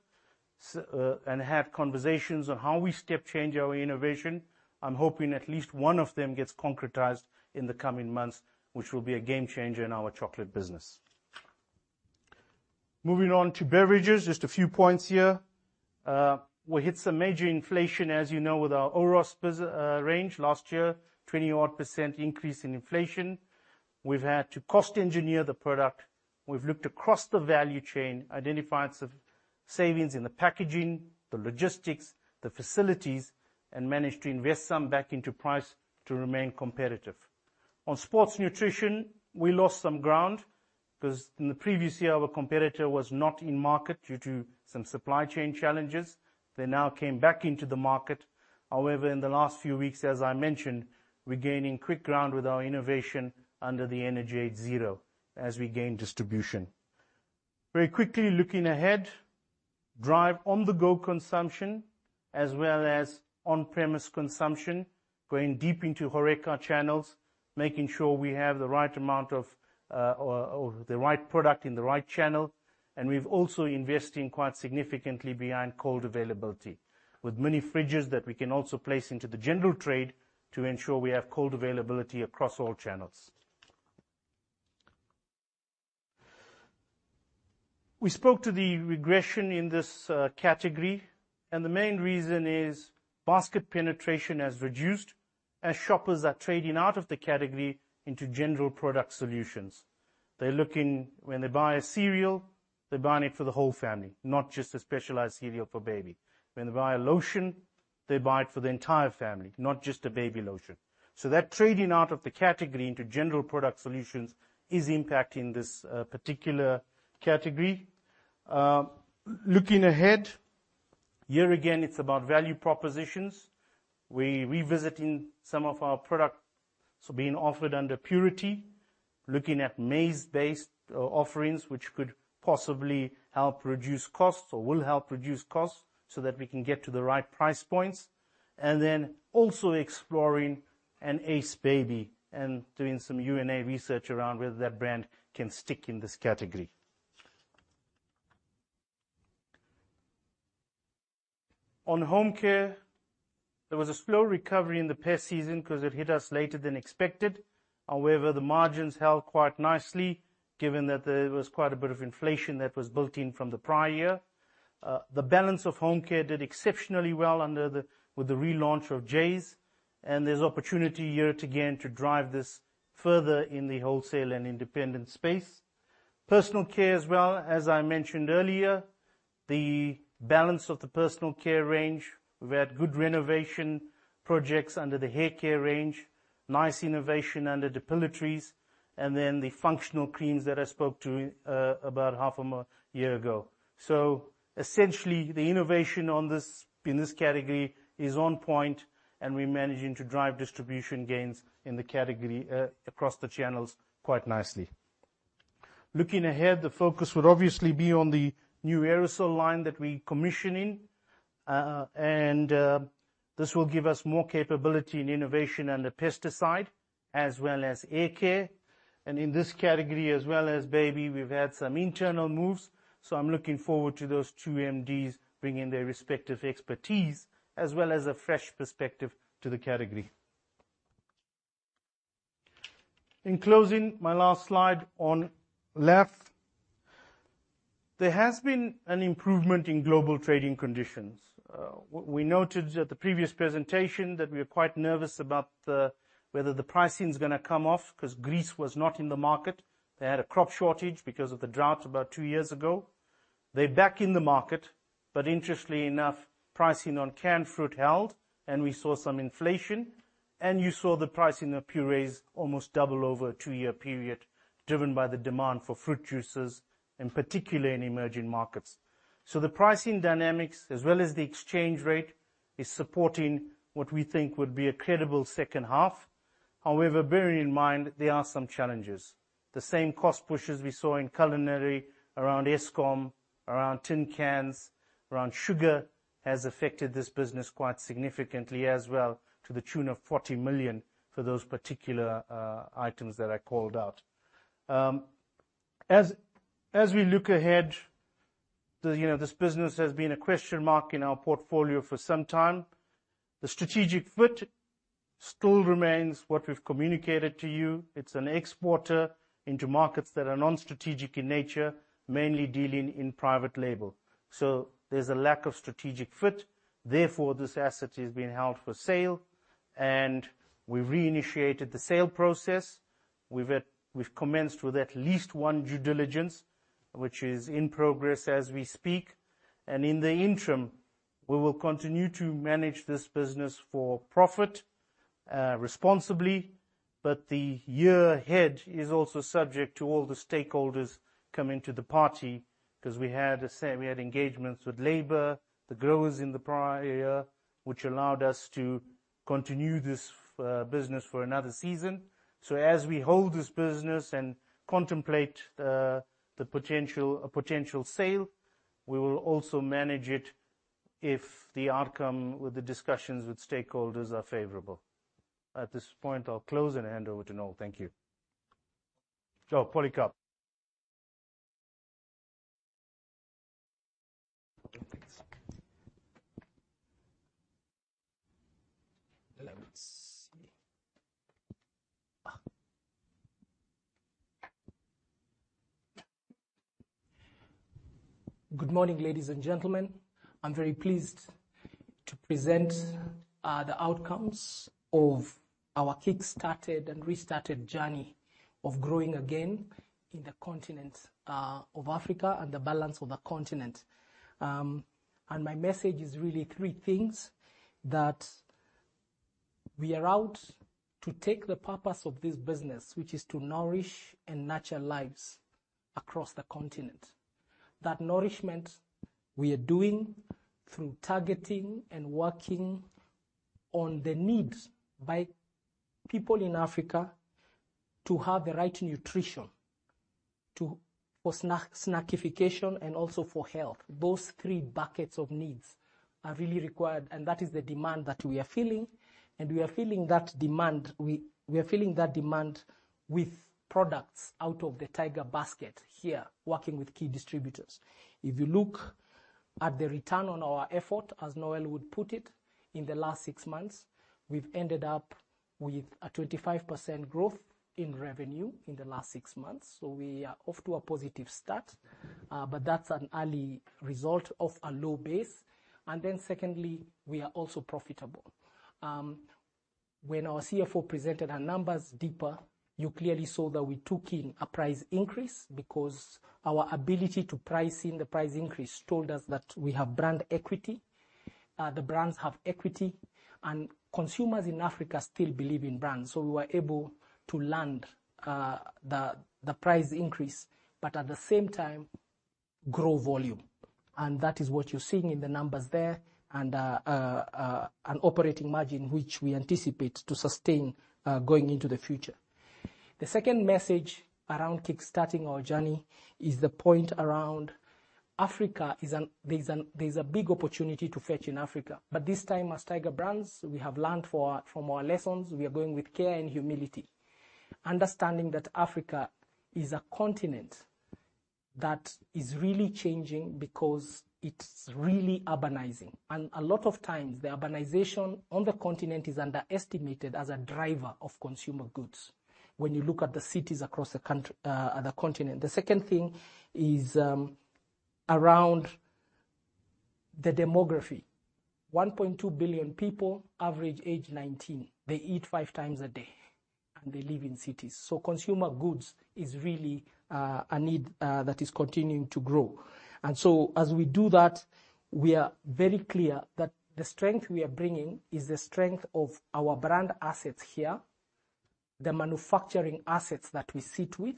and had conversations on how we step change our innovation. I'm hoping at least one of them gets concretized in the coming months, which will be a game changer in our chocolate business. Moving on to beverages, just a few points here. We hit some major inflation, as you know, with our Oros range last year, 20 odd % increase in inflation. We've had to cost engineer the product. We've looked across the value chain, identified some savings in the packaging, the logistics, the facilities, and managed to invest some back into price to remain competitive. On sports nutrition, we lost some ground, 'cause in the previous year, our competitor was not in market due to some supply chain challenges. They now came back into the market. However, in the last few weeks, as I mentioned, we're gaining quick ground with our innovation under the Energade Zero as we gain distribution. Very quickly, looking ahead, drive on-the-go consumption as well as on-premise consumption, going deep into HoReCa channels, making sure we have the right amount of, or the right product in the right channel. We've also investing quite significantly behind cold availability, with mini fridges that we can also place into the general trade to ensure we have cold availability across all channels. We spoke to the regression in this category. The main reason is basket penetration has reduced as shoppers are trading out of the category into general product solutions. When they buy a cereal, they're buying it for the whole family, not just a specialized cereal for baby. When they buy a lotion, they buy it for the entire family, not just a baby lotion. That trading out of the category into general product solutions is impacting this particular category. Looking ahead, year again, it's about value propositions. We're revisiting some of our products, being offered under Purity, looking at maize-based offerings, which could possibly help reduce costs or will help reduce costs so that we can get to the right price points, also exploring an Ace Baby and doing some U&A research around whether that brand can stick in this category. On home care, there was a slow recovery in the pest season because it hit us later than expected. However, the margins held quite nicely, given that there was quite a bit of inflation that was built in from the prior year. The balance of home care did exceptionally well with the relaunch of Jeyes, there's opportunity here to, again, to drive this further in the wholesale and independent space. Personal care as well, as I mentioned earlier, the balance of the personal care range, we've had good renovation projects under the hair care range, nice innovation under depilatories, and then the functional creams that I spoke to about half a year ago. Essentially, the innovation on this, in this category is on point, and we're managing to drive distribution gains in the category across the channels quite nicely. Looking ahead, the focus would obviously be on the new aerosol line that we're commissioning, and this will give us more capability in innovation and the pesticide, as well as air care. In this category, as well as Baby, we've had some internal moves, so I'm looking forward to those two MDs bringing their respective expertise as well as a fresh perspective to the category. In closing, my last slide on left. There has been an improvement in global trading conditions. What we noted at the previous presentation, that we were quite nervous about the, whether the pricing is gonna come off, 'cause Greece was not in the market. They had a crop shortage because of the drought about two years ago. They're back in the market, but interestingly enough, pricing on canned fruit held, and we saw some inflation, and you saw the pricing of purees almost double over a two-year period, driven by the demand for fruit juices, in particular in emerging markets. The pricing dynamics, as well as the exchange rate, is supporting what we think would be a credible second half. However, bearing in mind, there are some challenges. The same cost pushes we saw in culinary, around Eskom, around tin cans, around sugar, has affected this business quite significantly as well, to the tune of 40 million for those particular items that I called out. As we look ahead, you know, this business has been a question mark in our portfolio for some time. The strategic fit still remains what we've communicated to you. It's an exporter into markets that are non-strategic in nature, mainly dealing in private label. There's a lack of strategic fit, therefore, this asset is being held for sale, and we've reinitiated the sale process. We've commenced with at least one due diligence, which is in progress as we speak, and in the interim, we will continue to manage this business for profit responsibly. The year ahead is also subject to all the stakeholders coming to the party, 'cause we had a say, we had engagements with labor, the growers in the prior year, which allowed us to continue this business for another season. As we hold this business and contemplate a potential sale, we will also manage it if the outcome with the discussions with stakeholders are favorable. At this point, I'll close and hand over to Noel. Thank you. Polycarp. Let me see. Good morning, ladies and gentlemen. I'm very pleased to present the outcomes of our kickstarted and restarted journey of growing again in the continent of Africa and the balance of the continent. My message is really three things, that we are out to take the purpose of this business, which is to nourish and nurture lives across the continent. That nourishment we are doing through targeting and working on the needs by people in Africa to have the right nutrition to, for snackification and also for health. Those three buckets of needs are really required, and that is the demand that we are filling, and we are filling that demand. We are filling that demand with products out of the Tiger basket here, working with key distributors. If you look at the return on our effort, as Noel would put it, in the last six months, we've ended up with a 25% growth in revenue in the last six months. We are off to a positive start, but that's an early result of a low base. Secondly, we are also profitable. When our CFO presented our numbers Deepa, you clearly saw that we took in a price increase because our ability to price in the price increase told us that we have brand equity. The brands have equity, and consumers in Africa still believe in brands. We were able to land the price increase, but at the same time, grow volume. That is what you're seeing in the numbers there and an operating margin, which we anticipate to sustain going into the future. The second message around kickstarting our journey is the point around Africa is there's a big opportunity to fetch in Africa. This time, as Tiger Brands, we have learned for, from our lessons, we are going with care and humility, understanding that Africa is a continent that is really changing because it's really urbanizing. A lot of times, the urbanization on the continent is underestimated as a driver of consumer goods when you look at the cities across the country, the continent. The second thing is around the demography. 1.2 billion people, average age 19, they eat five times a day, and they live in cities. Consumer goods is really a need that is continuing to grow. As we do that, we are very clear that the strength we are bringing is the strength of our brand assets here, the manufacturing assets that we sit with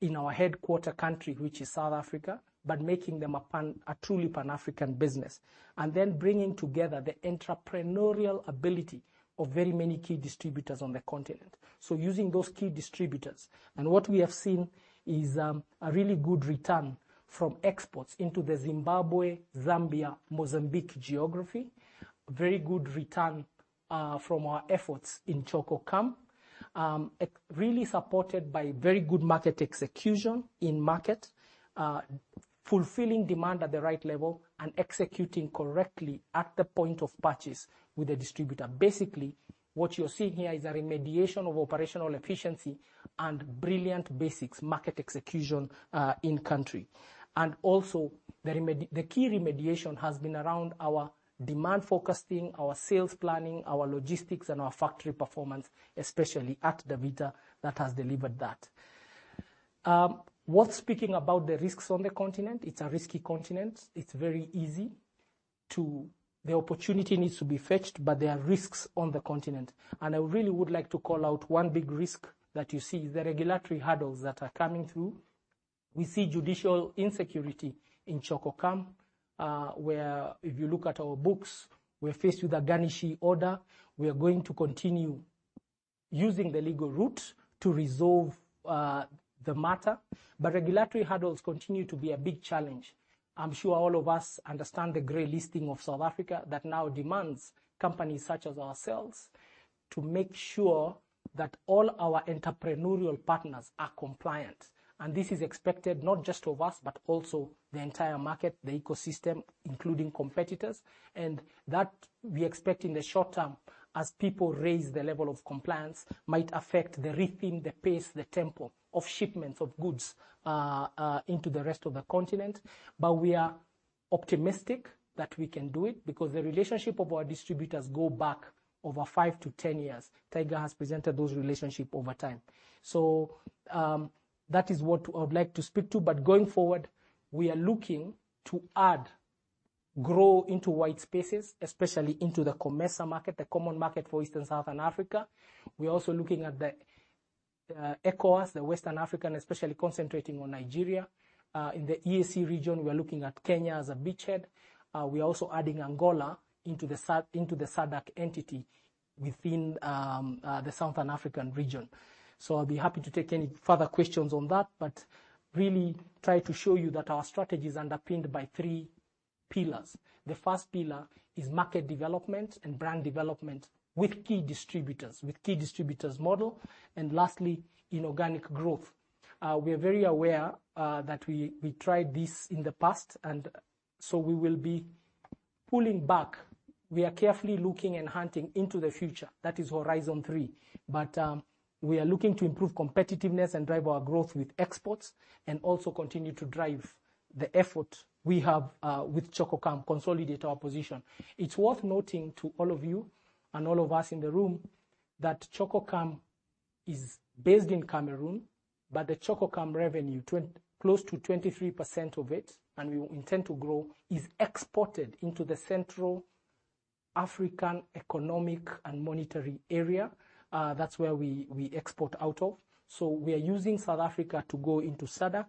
in our headquarter country, which is South Africa, but making them a truly Pan-African business, and then bringing together the entrepreneurial ability of very many key distributors on the continent. Using those key distributors, and what we have seen is a really good return from exports into the Zimbabwe, Zambia, Mozambique geography. Very good return from our efforts in Chococam, really supported by very good market execution in market, fulfilling demand at the right level and executing correctly at the point of purchase with the distributor. Basically, what you're seeing here is a remediation of operational efficiency and brilliant basics market execution in country. Also, the key remediation has been around our demand forecasting, our sales planning, our logistics, and our factory performance, especially at Davita, that has delivered that. Worth speaking about the risks on the continent. It's a risky continent. It's very easy to... The opportunity needs to be fetched, but there are risks on the continent. I really would like to call out one big risk that you see, the regulatory hurdles that are coming through. We see judicial insecurity in Chococam, where if you look at our books, we're faced with a garnishee order. We are going to continue using the legal route to resolve the matter, but regulatory hurdles continue to be a big challenge. I'm sure all of us understand the gray listing of South Africa that now demands companies such as ourselves to make sure that all our entrepreneurial partners are compliant. This is expected not just of us, but also the entire market, the ecosystem, including competitors, and that we expect in the short term, as people raise the level of compliance, might affect the rhythm, the pace, the tempo of shipments of goods into the rest of the continent. We are optimistic that we can do it because the relationship of our distributors go back over five to 10 years. Tiger has presented those relationship over time. That is what I would like to speak to. Going forward, we are looking to add growth into wide spaces, especially into the COMESA market, the Common Market for East and Southern Africa. We are also looking at the ECOWAS, the Western African, especially concentrating on Nigeria. In the EAC region, we are looking at Kenya as a beachhead. We are also adding Angola into the SADC entity within the Southern African region. I'll be happy to take any further questions on that, but really try to show you that our strategy is underpinned by three pillars. The first pillar is market development and brand development with key distributors model, and lastly, inorganic growth. We are very aware that we tried this in the past, we will be pulling back. We are carefully looking and hunting into the future. That is Horizon three. We are looking to improve competitiveness and drive our growth with exports and also continue to drive the effort we have with Chococam, consolidate our position. It's worth noting to all of you, and all of us in the room, that Chococam is based in Cameroon, but the Chococam revenue, close to 23% of it, and we intend to grow, is exported into the Central African Economic and Monetary Community. That's where we export out of. We are using South Africa to go into SADC,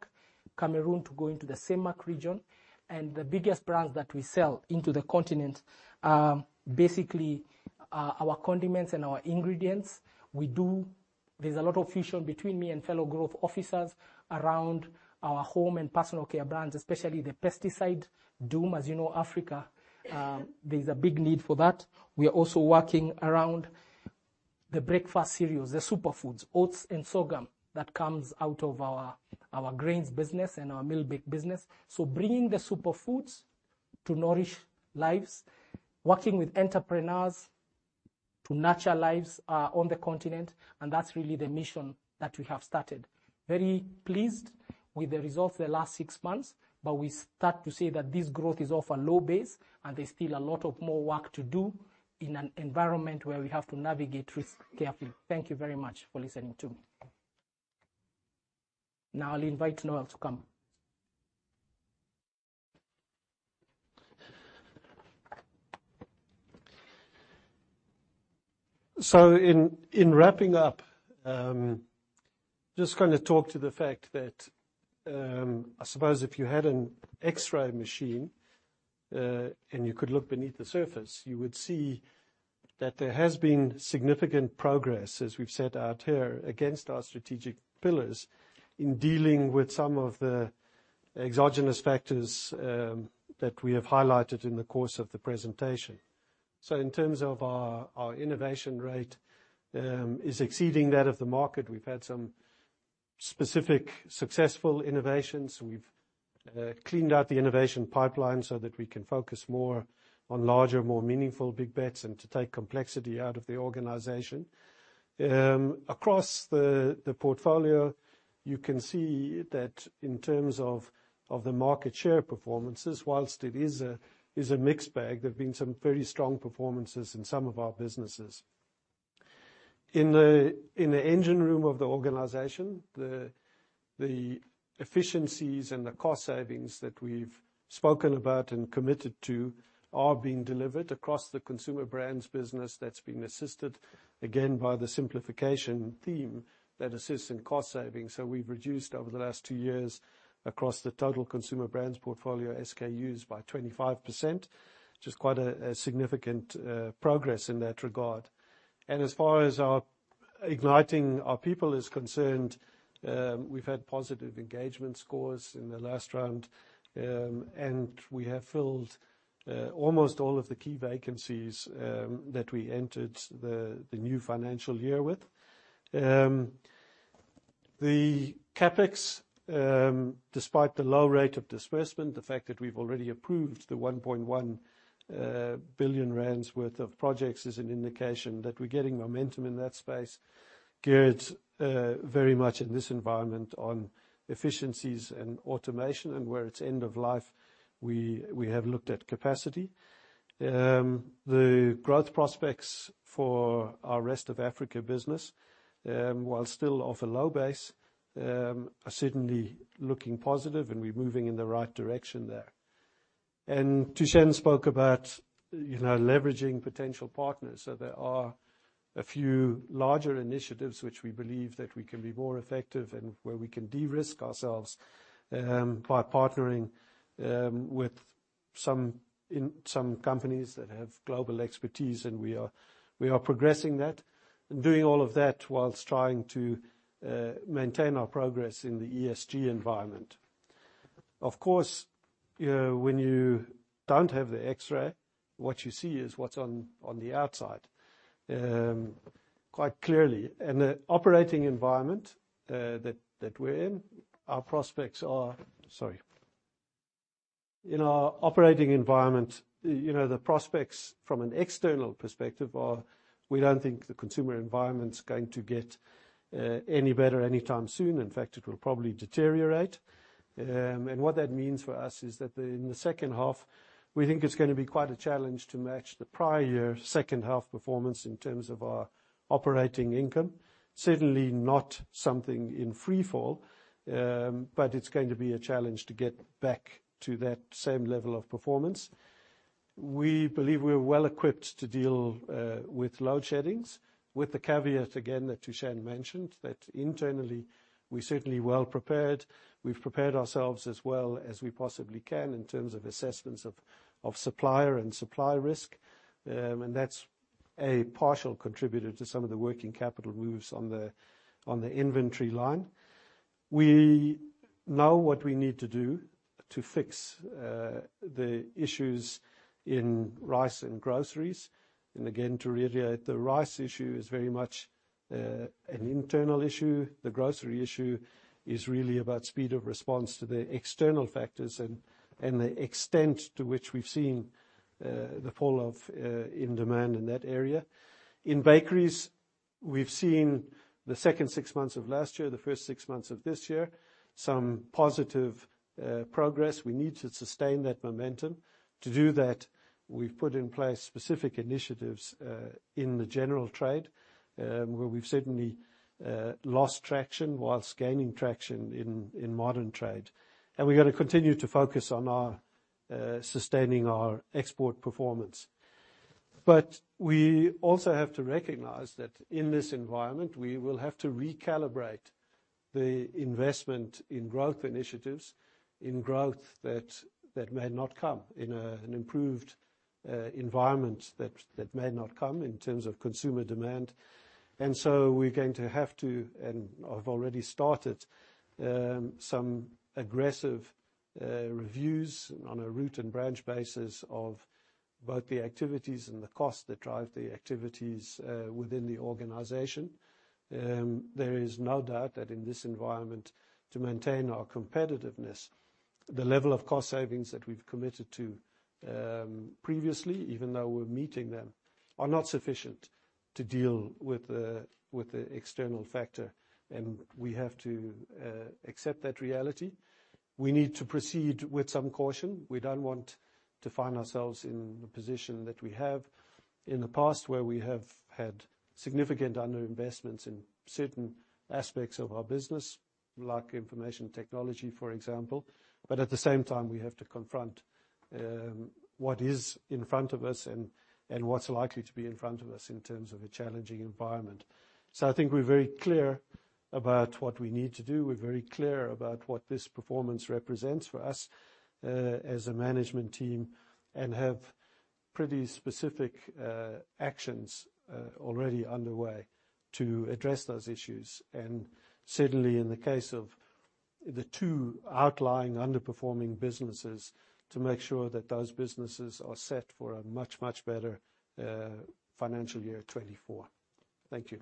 Cameroon to go into the CEMAC region, and the biggest brands that we sell into the continent are basically our condiments and our ingredients. There's a lot of friction between me and fellow growth officers around our Home and Personal Care brands, especially the pesticide doom. As you know, Africa, there's a big need for that. We are also working around the breakfast cereals, the superfoods, oats, and sorghum that comes out of our Grains business and our meal bake business. Bringing the superfoods to nourish lives, working with entrepreneurs to nurture lives on the continent, and that's really the mission that we have started. Very pleased with the results of the last six months, but we start to see that this growth is off a low base, and there's still a lot of more work to do in an environment where we have to navigate risk carefully. Thank you very much for listening to me. I'll invite Noel to come. In wrapping up, just gonna talk to the fact that, I suppose if you had an X-ray machine, and you could look beneath the surface, you would see that there has been significant progress, as we've set out here, against our strategic pillars in dealing with some of the exogenous factors, that we have highlighted in the course of the presentation. In terms of our innovation rate is exceeding that of the market. We've had some specific successful innovations. We've cleaned out the innovation pipeline so that we can focus more on larger, more meaningful, big bets and to take complexity out of the organization. Across the portfolio, you can see that in terms of the market share performances, whilst it is a mixed bag, there have been some very strong performances in some of our businesses. In the engine room of the organization, the efficiencies and the cost savings that we've spoken about and committed to are being delivered across the consumer brands business. That's been assisted, again, by the simplification theme that assists in cost savings. We've reduced over the last two years across the total consumer brands portfolio, SKUs, by 25%, which is quite a significant progress in that regard. As far as our igniting our people is concerned, we've had positive engagement scores in the last round, and we have filled almost all of the key vacancies that we entered the new financial year with. The CapEx, despite the low rate of disbursement, the fact that we've already approved 1.1 billion rand worth of projects is an indication that we're getting momentum in that space. Geared very much in this environment on efficiencies and automation, and where it's end of life, we have looked at capacity. The growth prospects for our Rest of Africa business, while still of a low base, are certainly looking positive, and we're moving in the right direction there. Thushen spoke about, you know, leveraging potential partners. There are a few larger initiatives which we believe that we can be more effective and where we can de-risk ourselves by partnering with some companies that have global expertise, and we are progressing that, and doing all of that whilst trying to maintain our progress in the ESG environment. Of course, when you don't have the X-ray, what you see is what's on the outside. Quite clearly, and the operating environment that we're in. In our operating environment, you know, the prospects from an external perspective are, we don't think the consumer environment's going to get any better anytime soon. In fact, it will probably deteriorate. What that means for us is that in the second half, we think it's going to be quite a challenge to match the prior year's second half performance in terms of our operating income. Certainly not something in freefall, but it's going to be a challenge to get back to that same level of performance. We believe we're well equipped to deal with load shedding, with the caveat, again, that Thushen mentioned, that internally we're certainly well prepared. We've prepared ourselves as well as we possibly can in terms of assessments of supplier and supply risk. That's a partial contributor to some of the working capital moves on the inventory line. We know what we need to do to fix the issues in rice and groceries. Again, to reiterate, the rice issue is very much an internal issue. The grocery issue is really about speed of response to the external factors and the extent to which we've seen the falloff in demand in that area. In bakeries, we've seen the second six months of last year, the first six months of this year, some positive progress. We need to sustain that momentum. To do that, we've put in place specific initiatives in the general trade, where we've certainly lost traction whilst gaining traction in modern trade. We're gonna continue to focus on our sustaining our export performance. We also have to recognize that in this environment, we will have to recalibrate the investment in growth initiatives, in growth that may not come in an improved environment, that may not come in terms of consumer demand. We're going to have to, and I've already started, some aggressive reviews on a route and branch basis of both the activities and the costs that drive the activities within the organization. There is no doubt that in this environment, to maintain our competitiveness, the level of cost savings that we've committed to, previously, even though we're meeting them, are not sufficient to deal with the external factor, and we have to accept that reality. We need to proceed with some caution. We don't want to find ourselves in the position that we have in the past, where we have had significant underinvestments in certain aspects of our business, like information technology, for example. At the same time, we have to confront, what is in front of us and what's likely to be in front of us in terms of a challenging environment. I think we're very clear about what we need to do. We're very clear about what this performance represents for us, as a management team, and have pretty specific actions already underway to address those issues. Certainly, in the case of the two outlying underperforming businesses, to make sure that those businesses are set for a much, much better, financial year 24. Thank you.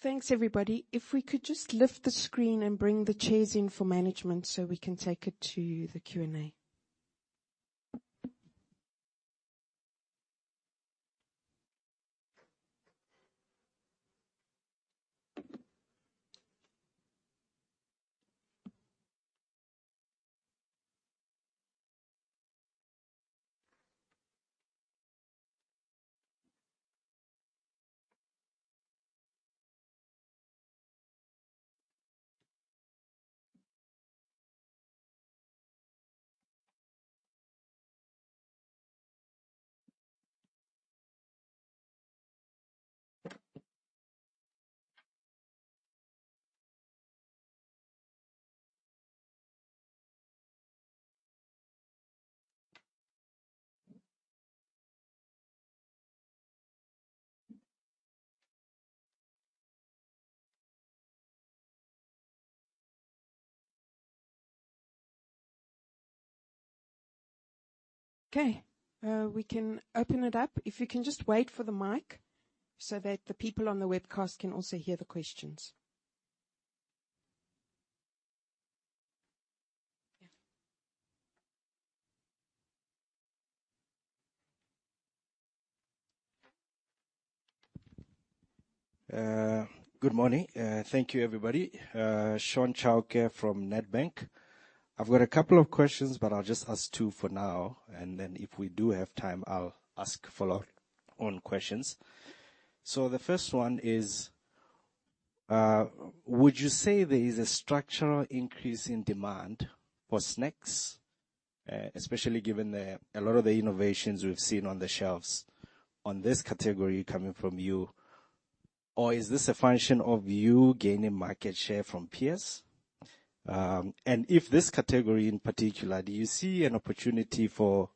Thanks, everybody. If we could just lift the screen and bring the chairs in for management, so we can take it to the Q&A. Okay, we can open it up. If you can just wait for the mic so that the people on the webcast can also hear the questions. Yeah. Good morning. Thank you, everybody. Shaun Chauke from Nedbank. I've got a couple of questions. I'll just ask two for now. If we do have time, I'll ask follow-up on questions. The first one. Would you say there is a structural increase in demand for snacks, especially given a lot of the innovations we've seen on the shelves on this category coming from you? Is this a function of you gaining market share from peers? If this category in particular, do you see an opportunity for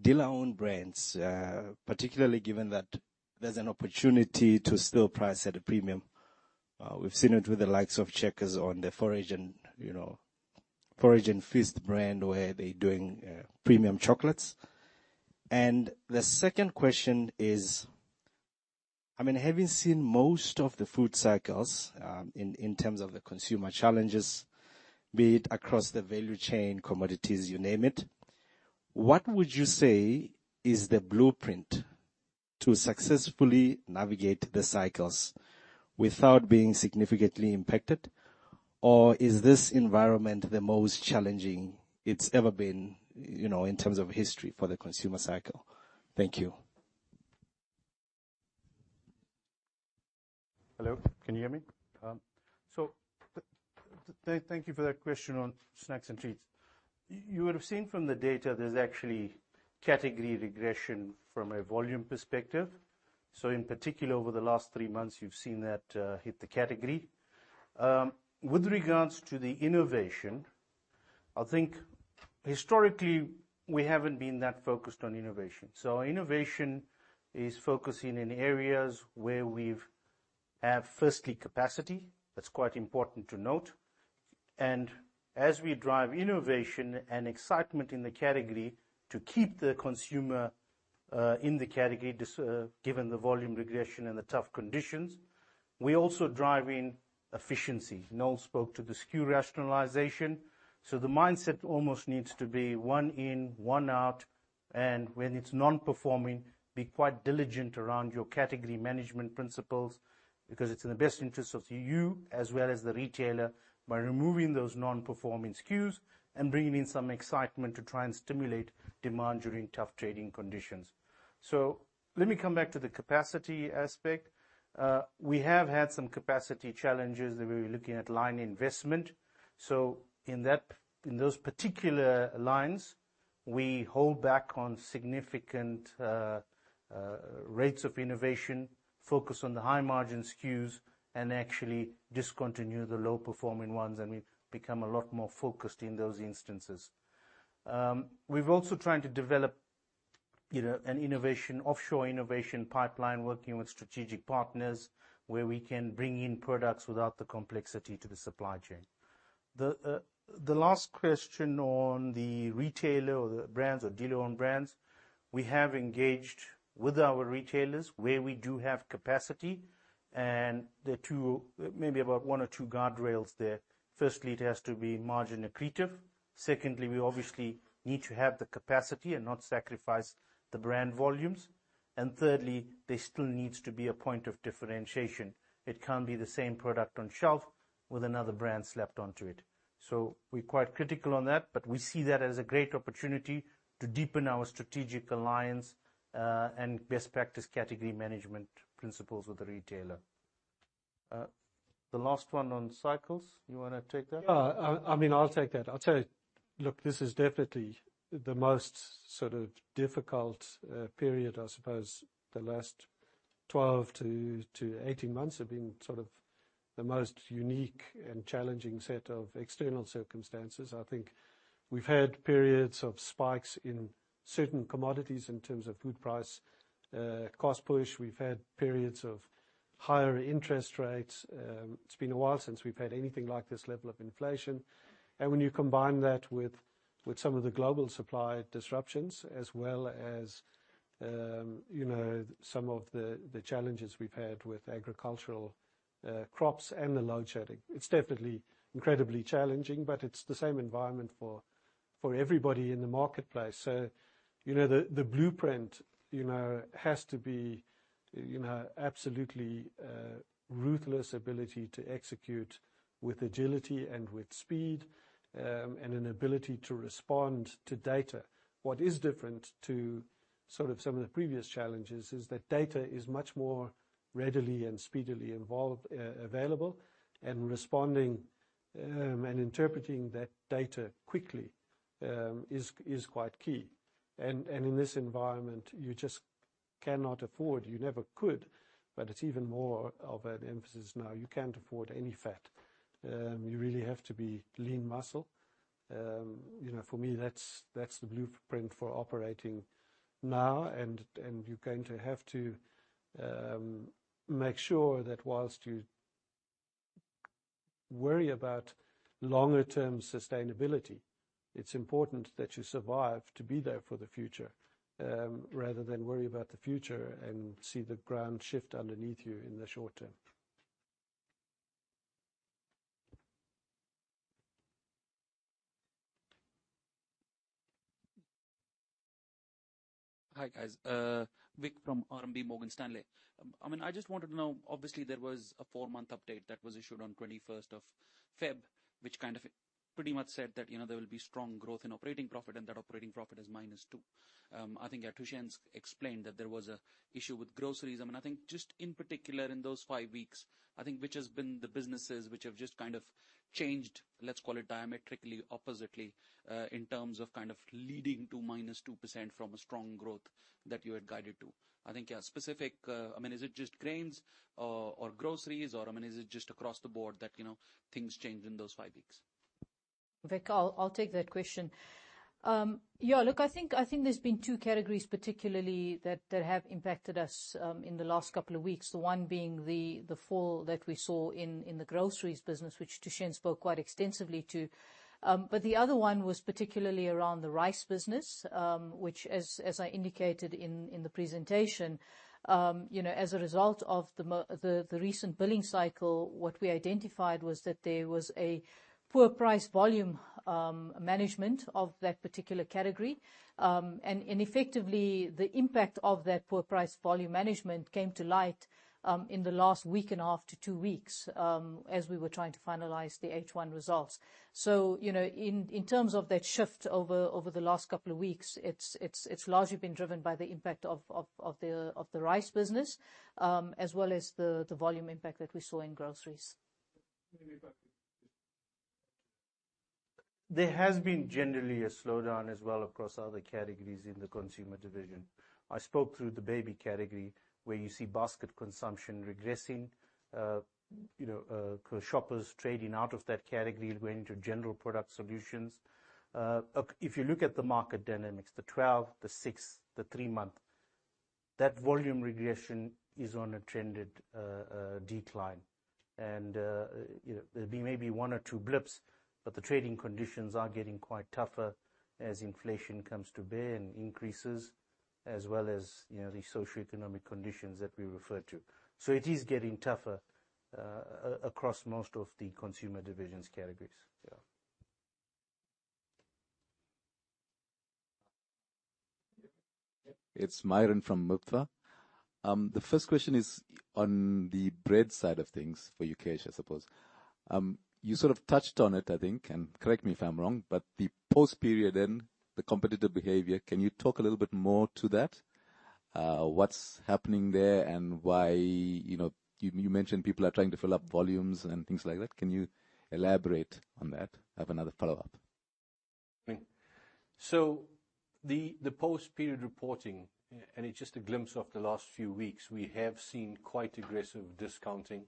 dealer-owned brands, particularly given that there's an opportunity to still price at a premium? We've seen it with the likes of Checkers on the Forage and, you know, Forage and Feast brand, where they're doing premium chocolates. The second question is, I mean, having seen most of the food cycles, in terms of the consumer challenges, be it across the value chain, commodities, you name it, what would you say is the blueprint to successfully navigate the cycles without being significantly impacted? Or is this environment the most challenging it's ever been, you know, in terms of history for the consumer cycle? Thank you. Hello, can you hear me? Thank you for that question on snacks and treats. You would have seen from the data there's actually category regression from a volume perspective. In particular, over the last three months, you've seen that hit the category. With regards to the innovation, I think historically, we haven't been that focused on innovation. Innovation is focusing in areas where we've have, firstly, capacity. That's quite important to note. As we drive innovation and excitement in the category to keep the consumer in the category, this given the volume regression and the tough conditions, we're also driving efficiency. Noel spoke to the SKU rationalization, so the mindset almost needs to be one in, one out, and when it's non-performing, be quite diligent around your category management principles because it's in the best interest of you as well as the retailer, by removing those non-performing SKUs and bringing in some excitement to try and stimulate demand during tough trading conditions. Let me come back to the capacity aspect. We have had some capacity challenges, and we're looking at line investment. In those particular lines, we hold back on significant rates of innovation, focus on the high-margin SKUs, and actually discontinue the low-performing ones, and we become a lot more focused in those instances. We've also trying to develop, you know, an innovation, offshore innovation pipeline, working with strategic partners, where we can bring in products without the complexity to the supply chain. The last question on the retailer or the brands or dealer-owned brands, we have engaged with our retailers where we do have capacity, and there are two, maybe about one or two guardrails there. Firstly, it has to be margin accretive. Secondly, we obviously need to have the capacity and not sacrifice the brand volumes. Thirdly, there still needs to be a point of differentiation. It can't be the same product on shelf with another brand slapped onto it. We're quite critical on that. We see that as a great opportunity to deepen our strategic alliance and best practice category management principles with the retailer. The last one on cycles, you wanna take that? I mean, I'll take that. I'll tell you. Look, this is definitely the most sort of difficult period. I suppose the last 12 to 18 months have been sort of the most unique and challenging set of external circumstances. I think we've had periods of spikes in certain commodities in terms of food price cost push. We've had periods of higher interest rates. It's been a while since we've had anything like this level of inflation. When you combine that with some of the global supply disruptions, as well as, you know, some of the challenges we've had with agricultural crops and the load shedding, it's definitely incredibly challenging, but it's the same environment for everybody in the marketplace. you know, the blueprint, you know, has to be, you know, absolutely ruthless ability to execute with agility and with speed, and an ability to respond to data. What is different to sort of some of the previous challenges is that data is much more readily and speedily involved, available, and responding, and interpreting that data quickly, is quite key. in this environment, you just cannot afford... You never could, but it's even more of an emphasis now. You can't afford any fat. you really have to be lean muscle. you know, for me, that's the blueprint for operating now. You're going to have to make sure that whilst you worry about longer-term sustainability, it's important that you survive to be there for the future, rather than worry about the future and see the ground shift underneath you in the short term. Hi, guys, Vik from RMB Morgan Stanley. I just wanted to know, obviously, there was a 4-month update that was issued on 21st of February. pretty much said that, you know, there will be strong growth in operating profit, and that operating profit is -2. I think, yeah, Thushen explained that there was an issue with groceries. I mean, I think just in particular, in those 5 weeks, I think, which has been the businesses which have just kind of changed, let's call it diametrically, oppositely, in terms of kind of leading to -2% from a strong growth that you had guided to? I think, yeah, specific. I mean, is it just grains or groceries, or, I mean, is it just across the board that, you know, things changed in those 5 weeks? Vi, I'll take that question. I think there's been two categories particularly that have impacted us in the last couple of weeks. The one being the fall that we saw in the groceries business, which Tushin spoke quite extensively to. The other one was particularly around the rice business, which as I indicated in the presentation, as a result of the recent billing cycle, what we identified was that there was a poor price-volume management of that particular category. Effectively, the impact of that poor price-volume management came to light in the last week and a half to two weeks as we were trying to finalize the H1 results. You know, in terms of that shift over the last couple of weeks, it's largely been driven by the impact of the rice business, as well as the volume impact that we saw in groceries. There has been generally a slowdown as well across other categories in the consumer division. I spoke through the baby category, where you see basket consumption regressing, you know, shoppers trading out of that category and going to general product solutions. If you look at the market dynamics, the 12, the 6, the 3-month, that volume regression is on a trended decline. You know, there'll be maybe one or two blips, but the trading conditions are getting quite tougher as inflation comes to bear and increases, as well as, you know, the socioeconomic conditions that we referred to. It is getting tougher across most of the consumer divisions categories. Yeah. It's Myron from Mitra. The first question is on the bread side of things for you, Kesha, I suppose. You sort of touched on it, I think, and correct me if I'm wrong, but the post-period end, the competitive behavior, can you talk a little bit more to that? What's happening there, and why... You know, you mentioned people are trying to fill up volumes and things like that. Can you elaborate on that? I have another follow-up. Thanks. The post-period reporting, and it's just a glimpse of the last few weeks, we have seen quite aggressive discounting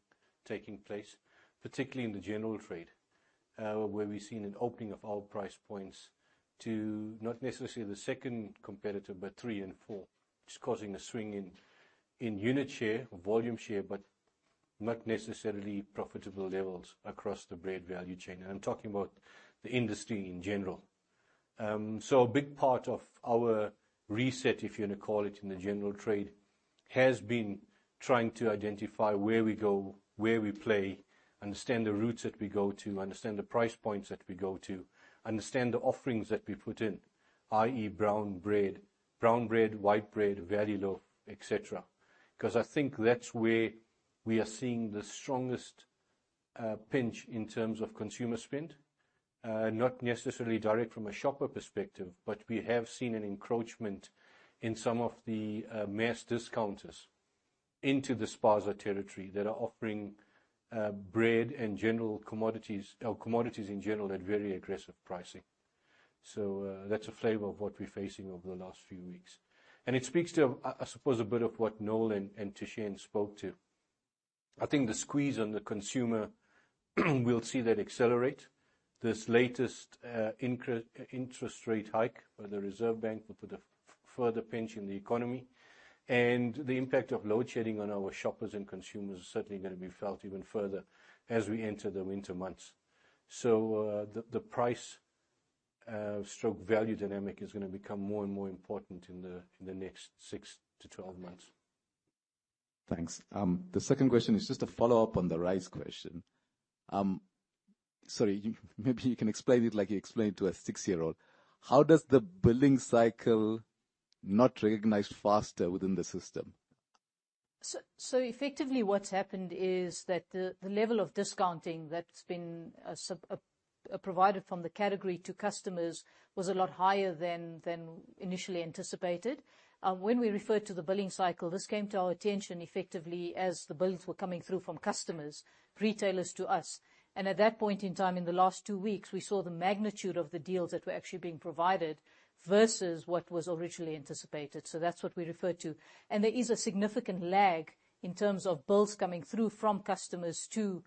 taking place, particularly in the general trade, where we've seen an opening of our price points to not necessarily the second competitor, but 3 and 4. It's causing a swing in unit share, volume share, but not necessarily profitable levels across the bread value chain, and I'm talking about the industry in general. A big part of our reset, if you want to call it in the general trade, has been trying to identify where we go, where we play, understand the routes that we go to, understand the price points that we go to, understand the offerings that we put in, i.e., brown bread. Brown bread, white bread, very low, et cetera. I think that's where we are seeing the strongest pinch in terms of consumer spend, not necessarily direct from a shopper perspective, but we have seen an encroachment in some of the mass discounters into the spaza territory that are offering bread and general commodities, or commodities in general, at very aggressive pricing. That's a flavor of what we're facing over the last few weeks. It speaks to, I suppose, a bit of what Noel and Tushin spoke to. I think the squeeze on the consumer, we'll see that accelerate. This latest interest rate hike by the Reserve Bank will put a further pinch in the economy, and the impact of load shedding on our shoppers and consumers is certainly gonna be felt even further as we enter the winter months. The price, stroke value dynamic is gonna become more and more important in the next 6-12 months. Thanks. The second question is just a follow-up on the rice question. Sorry, maybe you can explain it like you explained to a 6-year-old. How does the billing cycle not recognized faster within the system? Effectively, what's happened is that the level of discounting that's been provided from the category to customers was a lot higher than initially anticipated. When we referred to the billing cycle, this came to our attention effectively as the bills were coming through from customers, retailers to us. At that point in time, in the last two weeks, we saw the magnitude of the deals that were actually being provided versus what was originally anticipated. That's what we referred to. There is a significant lag in terms of bills coming through from customers to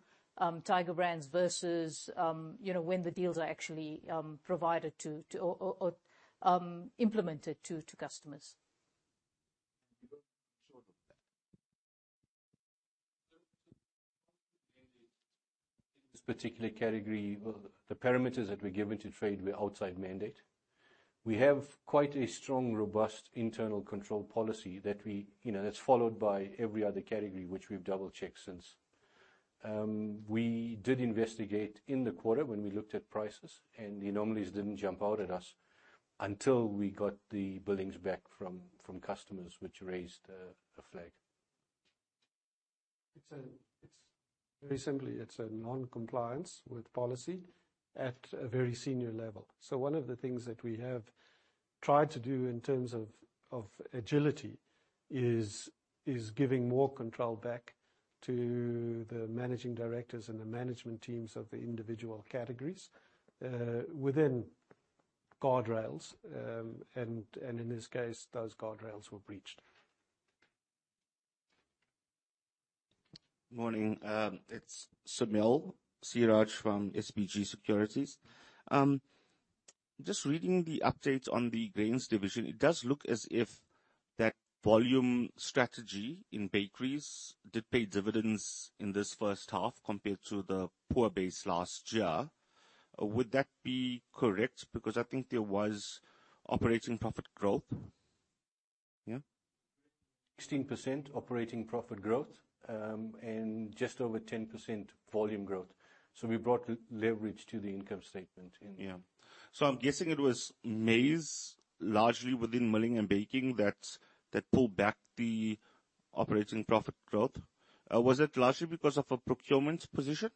Tiger Brands versus you know, when the deals are actually provided to or implemented to customers. In this particular category, well, the parameters that we give into trade were outside mandate. We have quite a strong, robust internal control policy that we, you know, that's followed by every other category, which we've double-checked since. We did investigate in the quarter when we looked at prices, and the anomalies didn't jump out at us until we got the billings back from customers, which raised a flag. It's very simply, it's a non-compliance with policy at a very senior level. One of the things that we have tried to do in terms of agility is giving more control back to the managing directors and the management teams of the individual categories within guardrails. In this case, those guardrails were breached. Morning. It's Sumil Seeraj from SBG Securities. Just reading the update on the Grains division, it does look as if that volume strategy in bakeries did pay dividends in this first half compared to the poor base last year. Would that be correct? Because I think there was operating profit growth. Yeah. 16% operating profit growth, and just over 10% volume growth. We brought leverage to the income statement in. Yeah. I'm guessing it was maize, largely within milling and baking, that pulled back the operating profit growth. Was it largely because of a procurement position?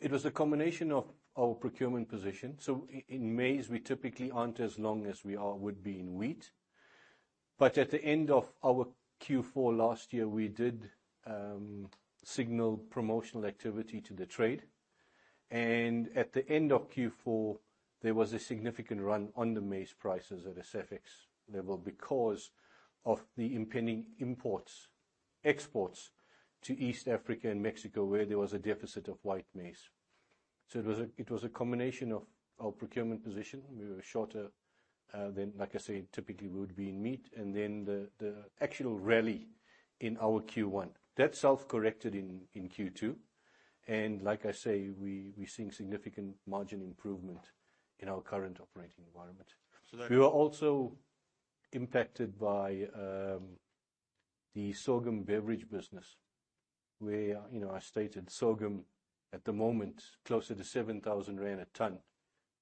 It was a combination of our procurement position. In maize, we typically aren't as long as we are would be in wheat. At the end of our Q4 last year, we did signal promotional activity to the trade, and at the end of Q4, there was a significant run on the maize prices at a SAFEX level because of the impending imports, exports to East Africa and Mexico, where there was a deficit of white maize. It was a combination of our procurement position. We were shorter than, like I said, typically we would be in meat, and then the actual rally in our Q1. That self-corrected in Q2, and like I say, we're seeing significant margin improvement in our current operating environment. So then- We were also impacted by the sorghum beverage business, where, you know, I stated sorghum, at the moment, closer to 7,000 rand a ton,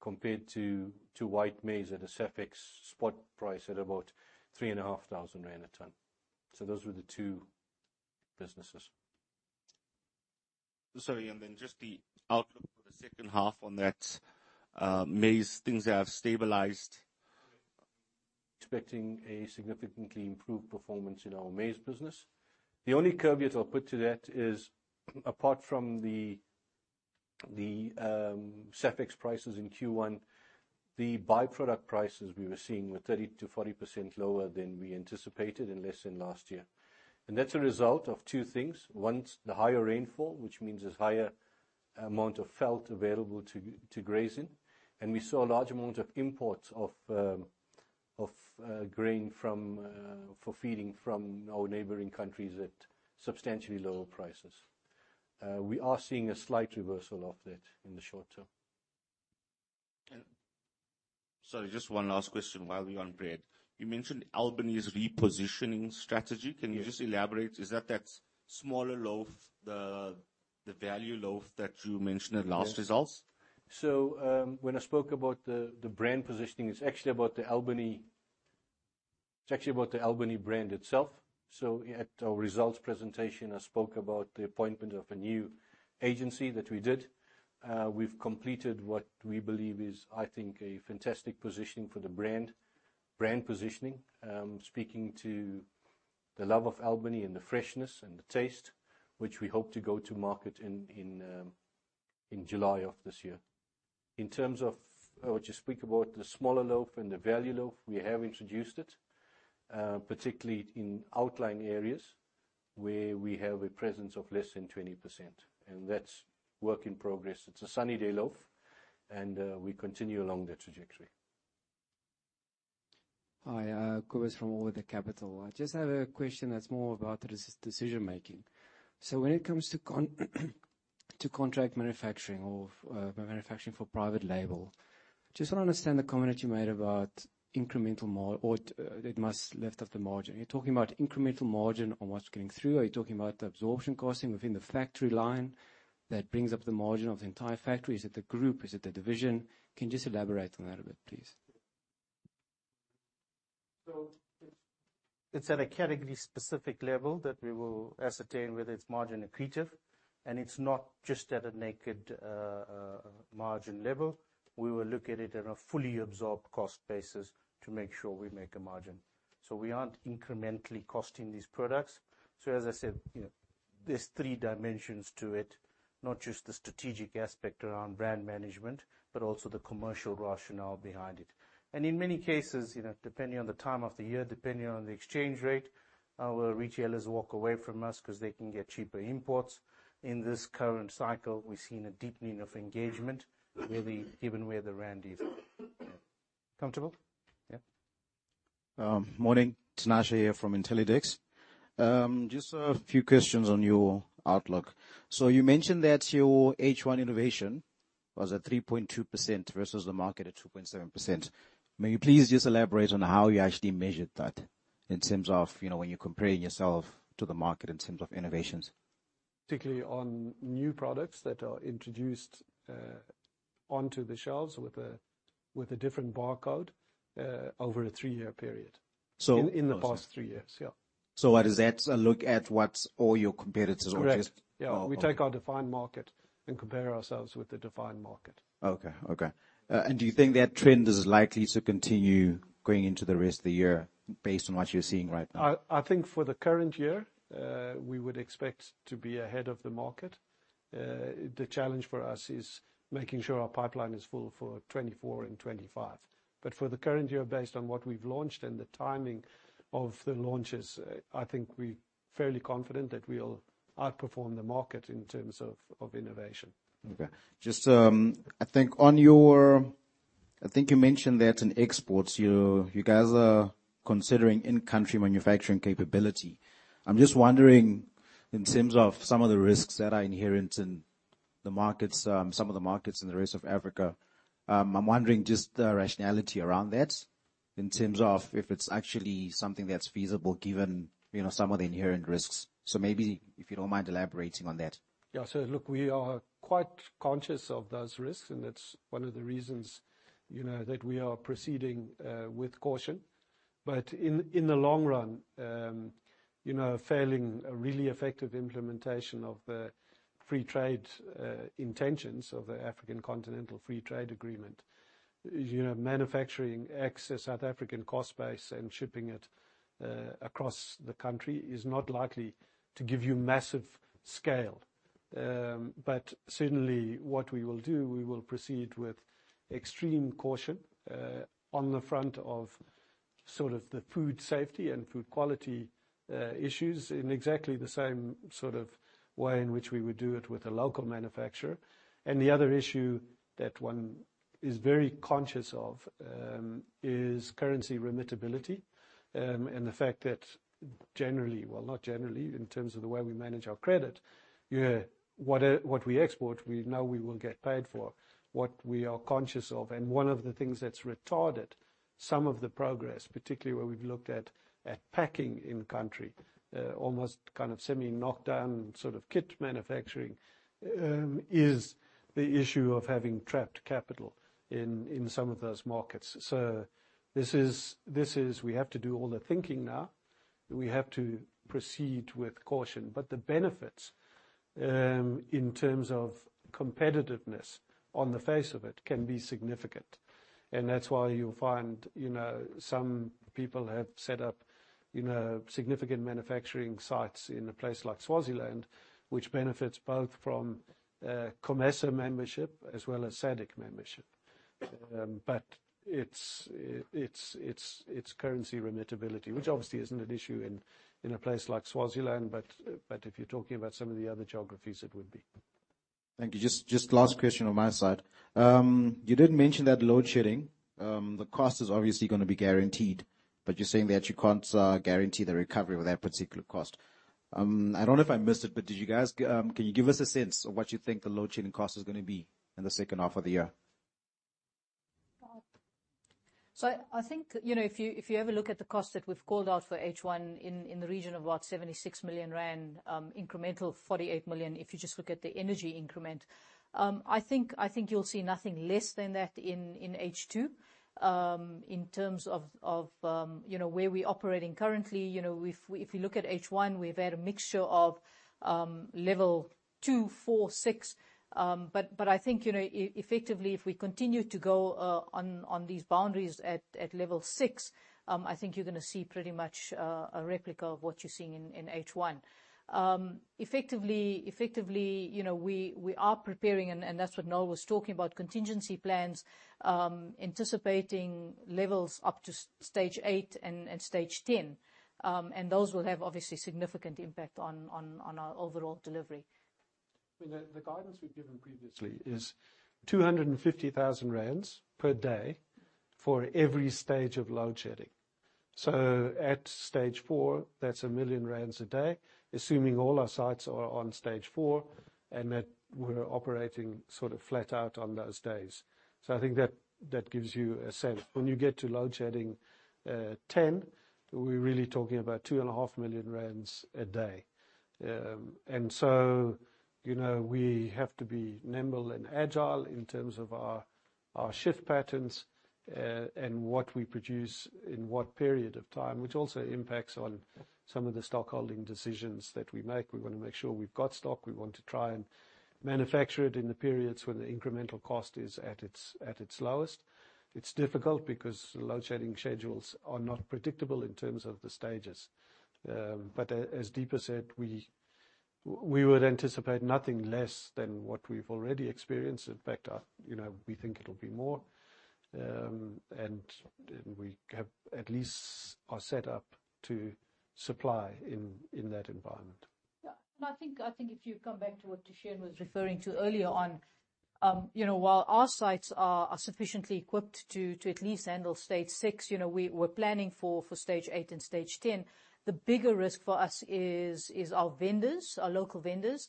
compared to white maize at a SAFEX spot price at about 3,500 rand a ton. Those were the two businesses. Sorry, then just the outlook for the second half on that, maize, things have stabilized? Expecting a significantly improved performance in our maize business. The only caveat I'll put to that is apart from the SAFEX prices in Q1, the by-product prices we were seeing were 30%-40% lower than we anticipated and less than last year. That's a result of two things. One, the higher rainfall, which means there's higher amount of felt available to grazing, and we saw a large amount of imports of grain for feeding from our neighboring countries at substantially lower prices. We are seeing a slight reversal of that in the short term. Sorry, just one last question while we're on bread. You mentioned Albany's repositioning strategy. Yeah. Can you just elaborate? Is that that smaller loaf, the value loaf that you mentioned at last results? When I spoke about the brand positioning, it's actually about the Albany brand itself. At our results presentation, I spoke about the appointment of a new agency that we did. We've completed what we believe is, I think, a fantastic positioning for the brand positioning. Speaking to the love of Albany and the freshness and the taste, which we hope to go to market in July of this year. I want to speak about the smaller loaf and the value loaf, we have introduced it particularly in outlying areas where we have a presence of less than 20%, and that's work in progress. It's a sunny day loaf, we continue along that trajectory. Hi, Kobus from Over the Capital. I just have a question that's more about the decision making. When it comes to contract manufacturing or manufacturing for private label, just want to understand the comment you made about incremental margin or it must lift up the margin. You're talking about incremental margin on what's getting through, are you talking about the absorption costing within the factory line that brings up the margin of the entire factory? Is it the group? Is it the division? Can you just elaborate on that a bit, please? It's, it's at a category specific level that we will ascertain whether it's margin accretive, and it's not just at a naked, margin level. We will look at it at a fully absorbed cost basis to make sure we make a margin. We aren't incrementally costing these products. As I said, you know, there's three dimensions to it, not just the strategic aspect around brand management, but also the commercial rationale behind it. In many cases, you know, depending on the time of the year, depending on the exchange rate, our retailers walk away from us 'cause they can get cheaper imports. In this current cycle, we've seen a deepening of engagement, really, given where the rand is. Comfortable? Yeah. Morning. Tinashe here from Intellidex. Just a few questions on your outlook. You mentioned that your H1 innovation was at 3.2% versus the market at 2.7%. May you please just elaborate on how you actually measured that in terms of, you know, when you're comparing yourself to the market in terms of innovations?... particularly on new products that are introduced onto the shelves with a different barcode, over a three-year period. So- In the past 3 years. Yeah. What, is that a look at what's all your competitors or just-? Correct. Yeah. Oh, okay. We take our defined market and compare ourselves with the defined market. Okay. Okay. Do you think that trend is likely to continue going into the rest of the year, based on what you're seeing right now? I think for the current year, we would expect to be ahead of the market. The challenge for us is making sure our pipeline is full for 2024 and 2025. For the current year, based on what we've launched and the timing of the launches, I think we're fairly confident that we'll outperform the market in terms of innovation. Okay. Just, I think you mentioned that in exports, you guys are considering in-country manufacturing capability. I'm just wondering, in terms of some of the risks that are inherent in the markets, some of the markets in the Rest of Africa, I'm wondering just the rationality around that in terms of if it's actually something that's feasible, given, you know, some of the inherent risks. Maybe if you don't mind elaborating on that. Look, we are quite conscious of those risks, and that's one of the reasons, you know, that we are proceeding with caution. In, in the long run, you know, failing a really effective implementation of the free trade intentions of the African Continental Free Trade Area, you know, manufacturing access South African cost base and shipping it across the country is not likely to give you massive scale. Certainly, what we will do, we will proceed with extreme caution on the front of sort of the food safety and food quality issues in exactly the same sort of way in which we would do it with a local manufacturer. The other issue that one is very conscious of, is currency remittability, and the fact that generally, well, not generally, in terms of the way we manage our credit, what we export, we know we will get paid for. What we are conscious of, and one of the things that's retarded some of the progress, particularly where we've looked at packing in country, almost kind of semi-knocked down, sort of kit manufacturing, is the issue of having trapped capital in some of those markets. This is, we have to do all the thinking now. We have to proceed with caution. The benefits, in terms of competitiveness on the face of it, can be significant. That's why you'll find, you know, some people have set up, you know, significant manufacturing sites in a place like Swaziland, which benefits both from COMESA membership as well as SADC membership. It's currency remittability, which obviously isn't an issue in a place like Swaziland, but if you're talking about some of the other geographies, it would be. Thank you. Just last question on my side. You did mention that load shedding, the cost is obviously gonna be guaranteed, but you're saying that you can't guarantee the recovery of that particular cost. I don't know if I missed it, but did you guys, can you give us a sense of what you think the load shedding cost is gonna be in the second half of the year? I think, you know, if you, if you have a look at the cost that we've called out for H1 in the region of what, 76 million rand, incremental 48 million, if you just look at the energy increment, I think you'll see nothing less than that in H2. In terms of, you know, where we're operating currently, you know, if you look at H1, we've had a mixture of level two, four, six, I think, you know, effectively, if we continue to go on these boundaries at level 6, I think you're gonna see pretty much a replica of what you're seeing in H1. effectively, you know, we are preparing, and that's what Noel was talking about, contingency plans, anticipating levels up to stage 8 and stage 10. Those will have, obviously, significant impact on our overall delivery. I mean, the guidance we've given previously is 250,000 rand per day for every stage of load shedding. At stage 4, that's 1 million rand a day, assuming all our sites are on stage four, and that we're operating sort of flat out on those days. I think that gives you a sense. When you get to load shedding 10, we're really talking about 2.5 million rand a day. You know, we have to be nimble and agile in terms of our shift patterns and what we produce in what period of time, which also impacts on some of the stockholding decisions that we make. We want to make sure we've got stock. We want to try and manufacture it in the periods when the incremental cost is at its lowest. It's difficult because the load shedding schedules are not predictable in terms of the stages. As Deepa said, we would anticipate nothing less than what we've already experienced. In fact, you know, we think it'll be more. We have at least are set up to supply in that environment. I think if you come back to what Tashien was referring to earlier on, you know, while our sites are sufficiently equipped to at least handle stage six, you know, we're planning for stage eight and stage 10. The bigger risk for us is our vendors, our local vendors,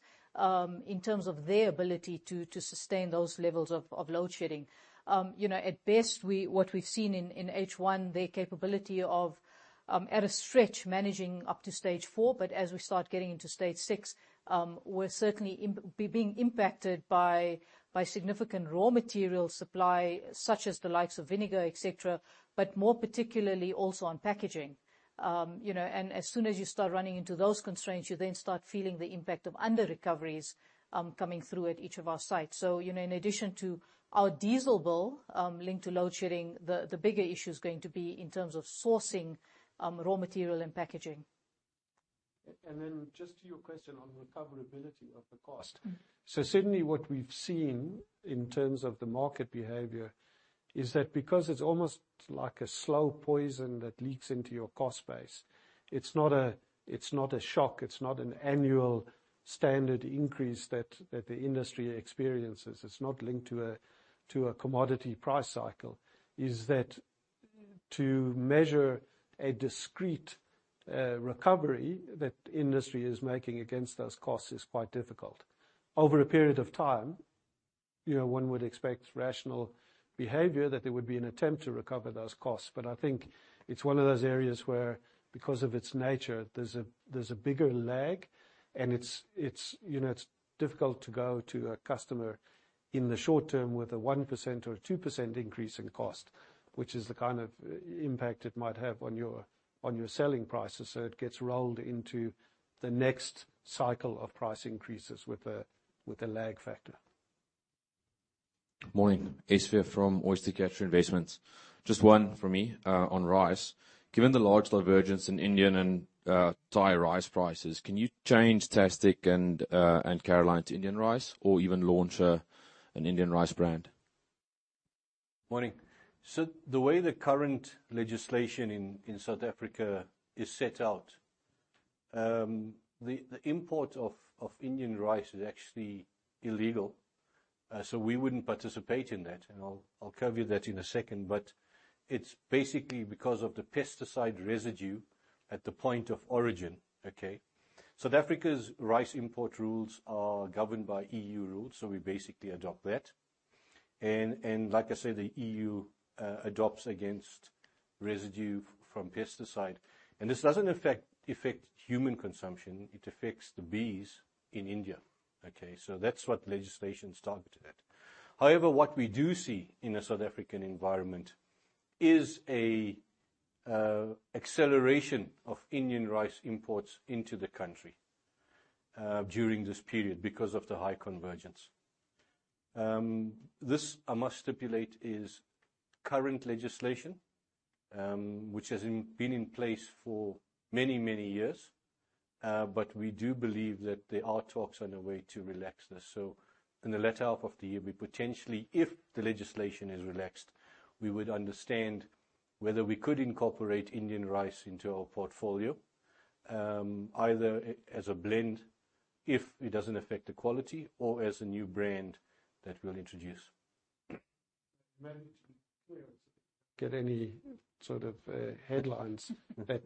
in terms of their ability to sustain those levels of load shedding. You know, at best, we, what we've seen in H1, their capability of, at a stretch, managing up to stage four. As we start getting into stage six, we're certainly being impacted by significant raw material supply, such as the likes of vinegar, et cetera, but more particularly also on packaging. You know, as soon as you start running into those constraints, you then start feeling the impact of underrecoveries, coming through at each of our sites. You know, in addition to our diesel bill, linked to load shedding, the bigger issue is going to be in terms of sourcing, raw material and packaging. Just to your question on recoverability of the cost. Mm-hmm. Certainly, what we've seen in terms of the market behavior is that because it's almost like a slow poison that leaks into your cost base, it's not a shock, it's not an annual standard increase that the industry experiences. It's not linked to a commodity price cycle. Is that to measure a discrete recovery that industry is making against those costs is quite difficult. Over a period of time, you know, one would expect rational behavior, that there would be an attempt to recover those costs. I think it's one of those areas where, because of its nature, there's a bigger lag, and it's, you know, it's difficult to go to a customer in the short term with a 1% or 2% increase in cost, which is the kind of impact it might have on your selling prices. It gets rolled into the next cycle of price increases with a lag factor. Morning. Asvier from Oyster Catcher Investments. Just one for me on rice. Given the large divergence in Indian and Thai rice prices, can you change Tastic and Caroline to Indian rice or even launch an Indian rice brand? Morning. The way the current legislation in South Africa is set out, the import of Indian rice is actually illegal, we wouldn't participate in that, and I'll cover you that in a second. It's basically because of the pesticide residue at the point of origin, okay? South Africa's rice import rules are governed by EU rules, so we basically adopt that. Like I said, the EU adopts against residue from pesticide, and this doesn't affect human consumption. It affects the bees in India, okay? That's what legislation's targeted at. However, what we do see in a South African environment is an acceleration of Indian rice imports into the country during this period, because of the high convergence. This, I must stipulate, is current legislation, which has been in place for many, many years, but we do believe that there are talks on a way to relax this. In the latter half of the year, we potentially, if the legislation is relaxed, we would understand whether we could incorporate Indian rice into our portfolio, either as a blend, if it doesn't affect the quality, or as a new brand that we'll introduce. Mary Jane, clearance. Get any sort of headlines that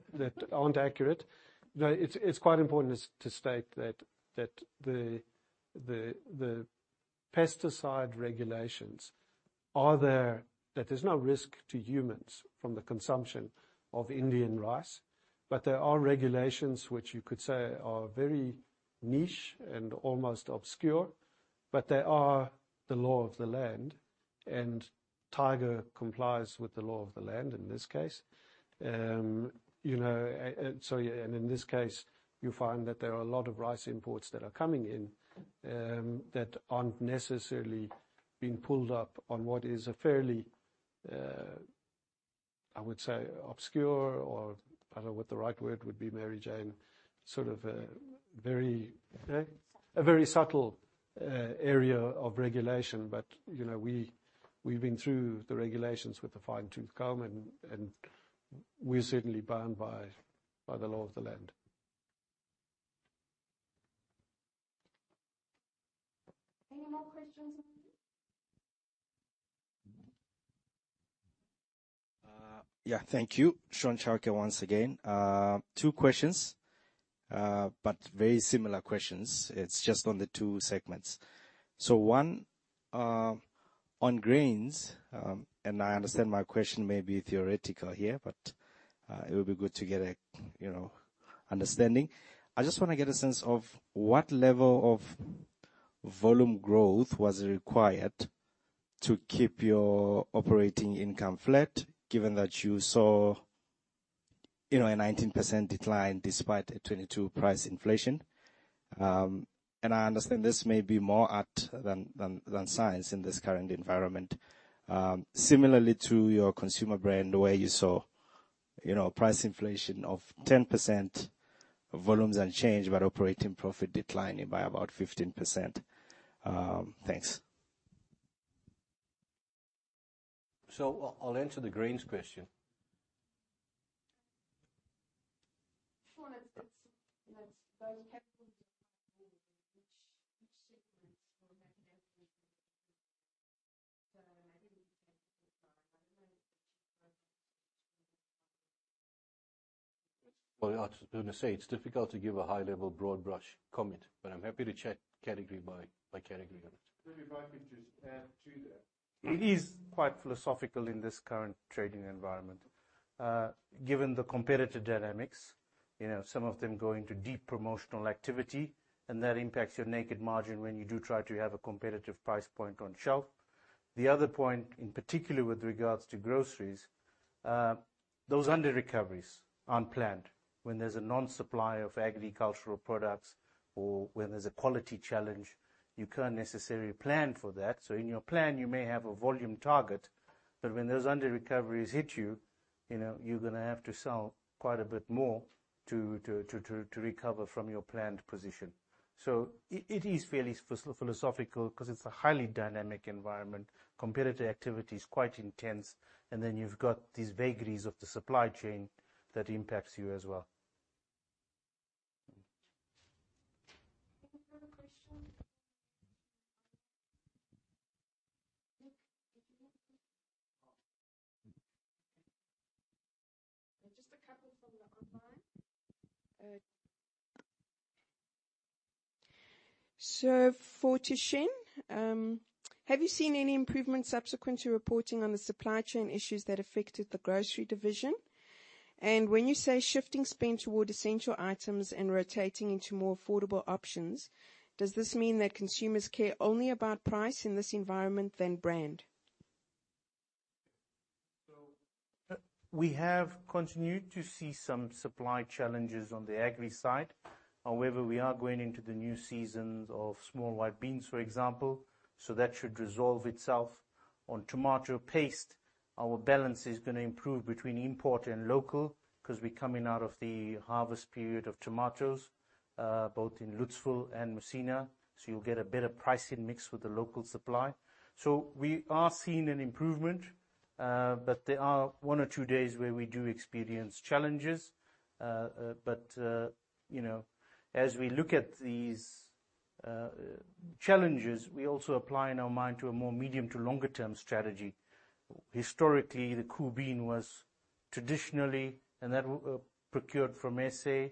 aren't accurate. No, it's quite important to state that the pesticide regulations are there, that there's no risk to humans from the consumption of Indian rice, but there are regulations which you could say are very niche and almost obscure, but they are the law of the land, and Tiger complies with the law of the land, in this case. You know, yeah, and in this case, you find that there are a lot of rice imports that are coming in, that aren't necessarily being pulled up on what is a fairly, I would say, obscure, or I don't know what the right word would be, Mary Jane, sort of a very, a very subtle, area of regulation. You know, we've been through the regulations with a fine-tooth comb, and we're certainly bound by the law of the land. Any more questions? Yeah, thank you. Shaun Chauke once again. 2 questions, very similar questions. It's just on the 2 segments. On grains, I understand my question may be theoretical here, but it would be good to get a, you know, understanding. I just wanna get a sense of what level of volume growth was required to keep your operating income flat, given that you saw, you know, a 19% decline despite a 22% price inflation. I understand this may be more art than science in this current environment. Similarly to your consumer brand, where you saw, you know, price inflation of 10%, volumes unchanged, but operating profit declining by about 15%. Thanks. I'll answer the grains question. [AUDIO DISTORTION] Well, I was going to say it's difficult to give a high-level, broad-brush comment, but I'm happy to check category by category on it. Maybe if I could just add to that. It is quite philosophical in this current trading environment, given the competitive dynamics, you know, some of them going to deep promotional activity, and that impacts your naked margin when you do try to have a competitive price point on shelf. The other point, in particular, with regards to groceries, those underrecoveries, unplanned. When there's a non-supply of agricultural products or when there's a quality challenge, you can't necessarily plan for that. So in your plan, you may have a volume target, but when those underrecoveries hit you know, you're gonna have to sell quite a bit more to recover from your planned position. So it is fairly philosophical 'cause it's a highly dynamic environment. Competitive activity is quite intense, and then you've got these vagaries of the supply chain that impacts you as well. [AUDIO DISTORTION] Just a couple from the online. So for Thushen, have you seen any improvement subsequent to reporting on the supply chain issues that affected the grocery division? When you say shifting spend toward essential items and rotating into more affordable options, does this mean that consumers care only about price in this environment than brand? We have continued to see some supply challenges on the agri side. However, we are going into the new seasons of small white beans, for example, so that should resolve itself. On tomato paste, our balance is gonna improve between import and local 'cause we're coming out of the harvest period of tomatoes, both in Lutzville and Messina, so you'll get a better pricing mix with the local supply. We are seeing an improvement, but there are one or two days where we do experience challenges. You know, as we look at these challenges, we also apply in our mind to a more medium to longer term strategy. Historically, the kuben was traditionally, and that procured from SA.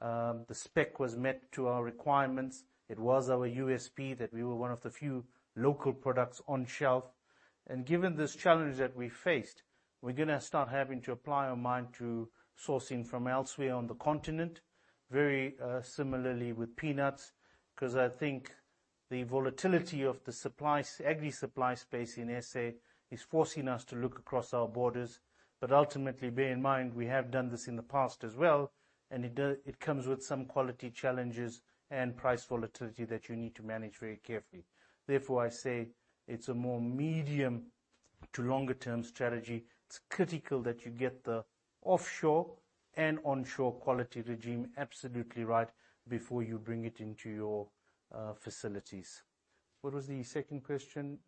The spec was met to our requirements. It was our USP, that we were one of the few local products on shelf. And given this challenge that we faced, we're gonna start having to apply our mind to sourcing from elsewhere on the continent, very similarly with peanuts, 'cause I think the volatility of the supply, agri supply space in SA is forcing us to look across our borders. But ultimately, bear in mind, we have done this in the past as well, and it comes with some quality challenges and price volatility that you need to manage very carefully. Therefore, I say it's a more medium to longer term strategy. It's critical that you get the offshore and onshore quality regime absolutely right before you bring it into your facilities. What was the second question?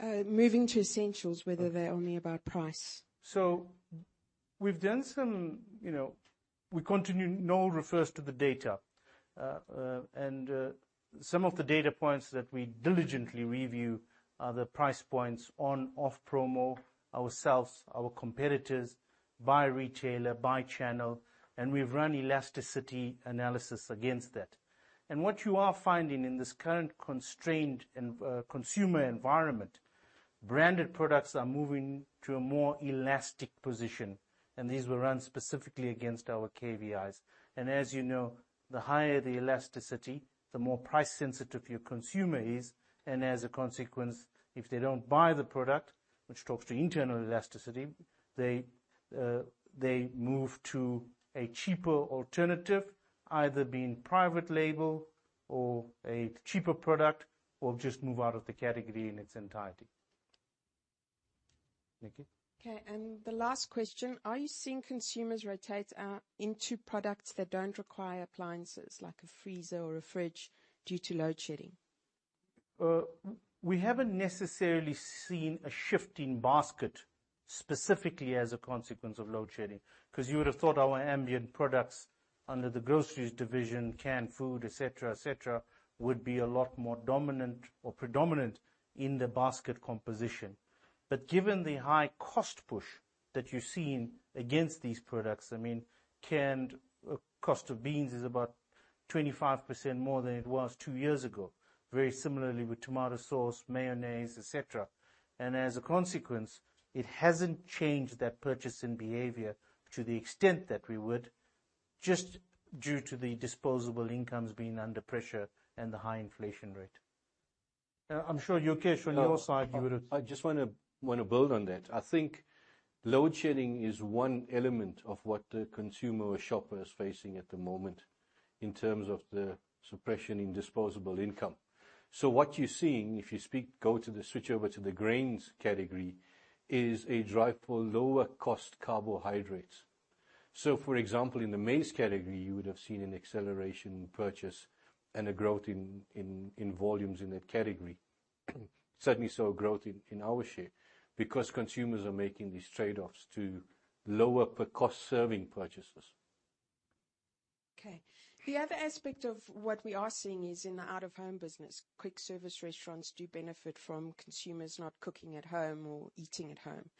Moving to essentials, whether they're only about price. We've done some. You know, we continue, Noel refers to the data, and some of the data points that we diligently review are the price points on, off promo, ourselves, our competitors, by retailer, by channel, and we've run elasticity analysis against that. What you are finding in this current constrained and consumer environment, branded products are moving to a more elastic position, and these were run specifically against our KVIs. As you know, the higher the elasticity, the more price sensitive your consumer is, and as a consequence, if they don't buy the product, which talks to internal elasticity, they move to a cheaper alternative, either being private label or a cheaper product, or just move out of the category in its entirety. Nikki? Okay, the last question: Are you seeing consumers rotate out into products that don't require appliances, like a freezer or a fridge, due to load shedding? We haven't necessarily seen a shift in basket specifically as a consequence of load shedding, 'cause you would have thought our ambient products under the groceries division, canned food, et cetera, et cetera, would be a lot more dominant or predominant in the basket composition. Given the high cost push that you've seen against these products, I mean, canned, cost of beans is about 25% more than it was two years ago. Very similarly with tomato sauce, mayonnaise, et cetera. As a consequence, it hasn't changed that purchasing behavior to the extent that we would, just due to the disposable incomes being under pressure and the high inflation rate. I'm sure, Yokesh, on your side. I just wanna build on that. I think load shedding is one element of what the consumer or shopper is facing at the moment in terms of the suppression in disposable income. What you're seeing, if you switch over to the grains category, is a drive for lower cost carbohydrates. For example, in the maize category, you would have seen an acceleration in purchase and a growth in volumes in that category. Certainly, saw growth in our share, because consumers are making these trade-offs to lower per cost serving purchases. Okay. The other aspect of what we are seeing is in the out-of-home business. Quick service restaurants do benefit from consumers not cooking at home or eating at home.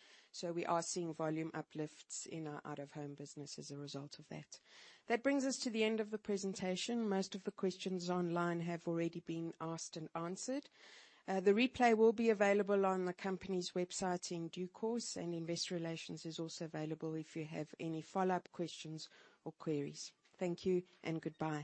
We are seeing volume uplifts in our out-of-home business as a result of that. That brings us to the end of the presentation. Most of the questions online have already been asked and answered. The replay will be available on the company's website in due course, and Investor Relations is also available if you have any follow-up questions or queries. Thank you and goodbye.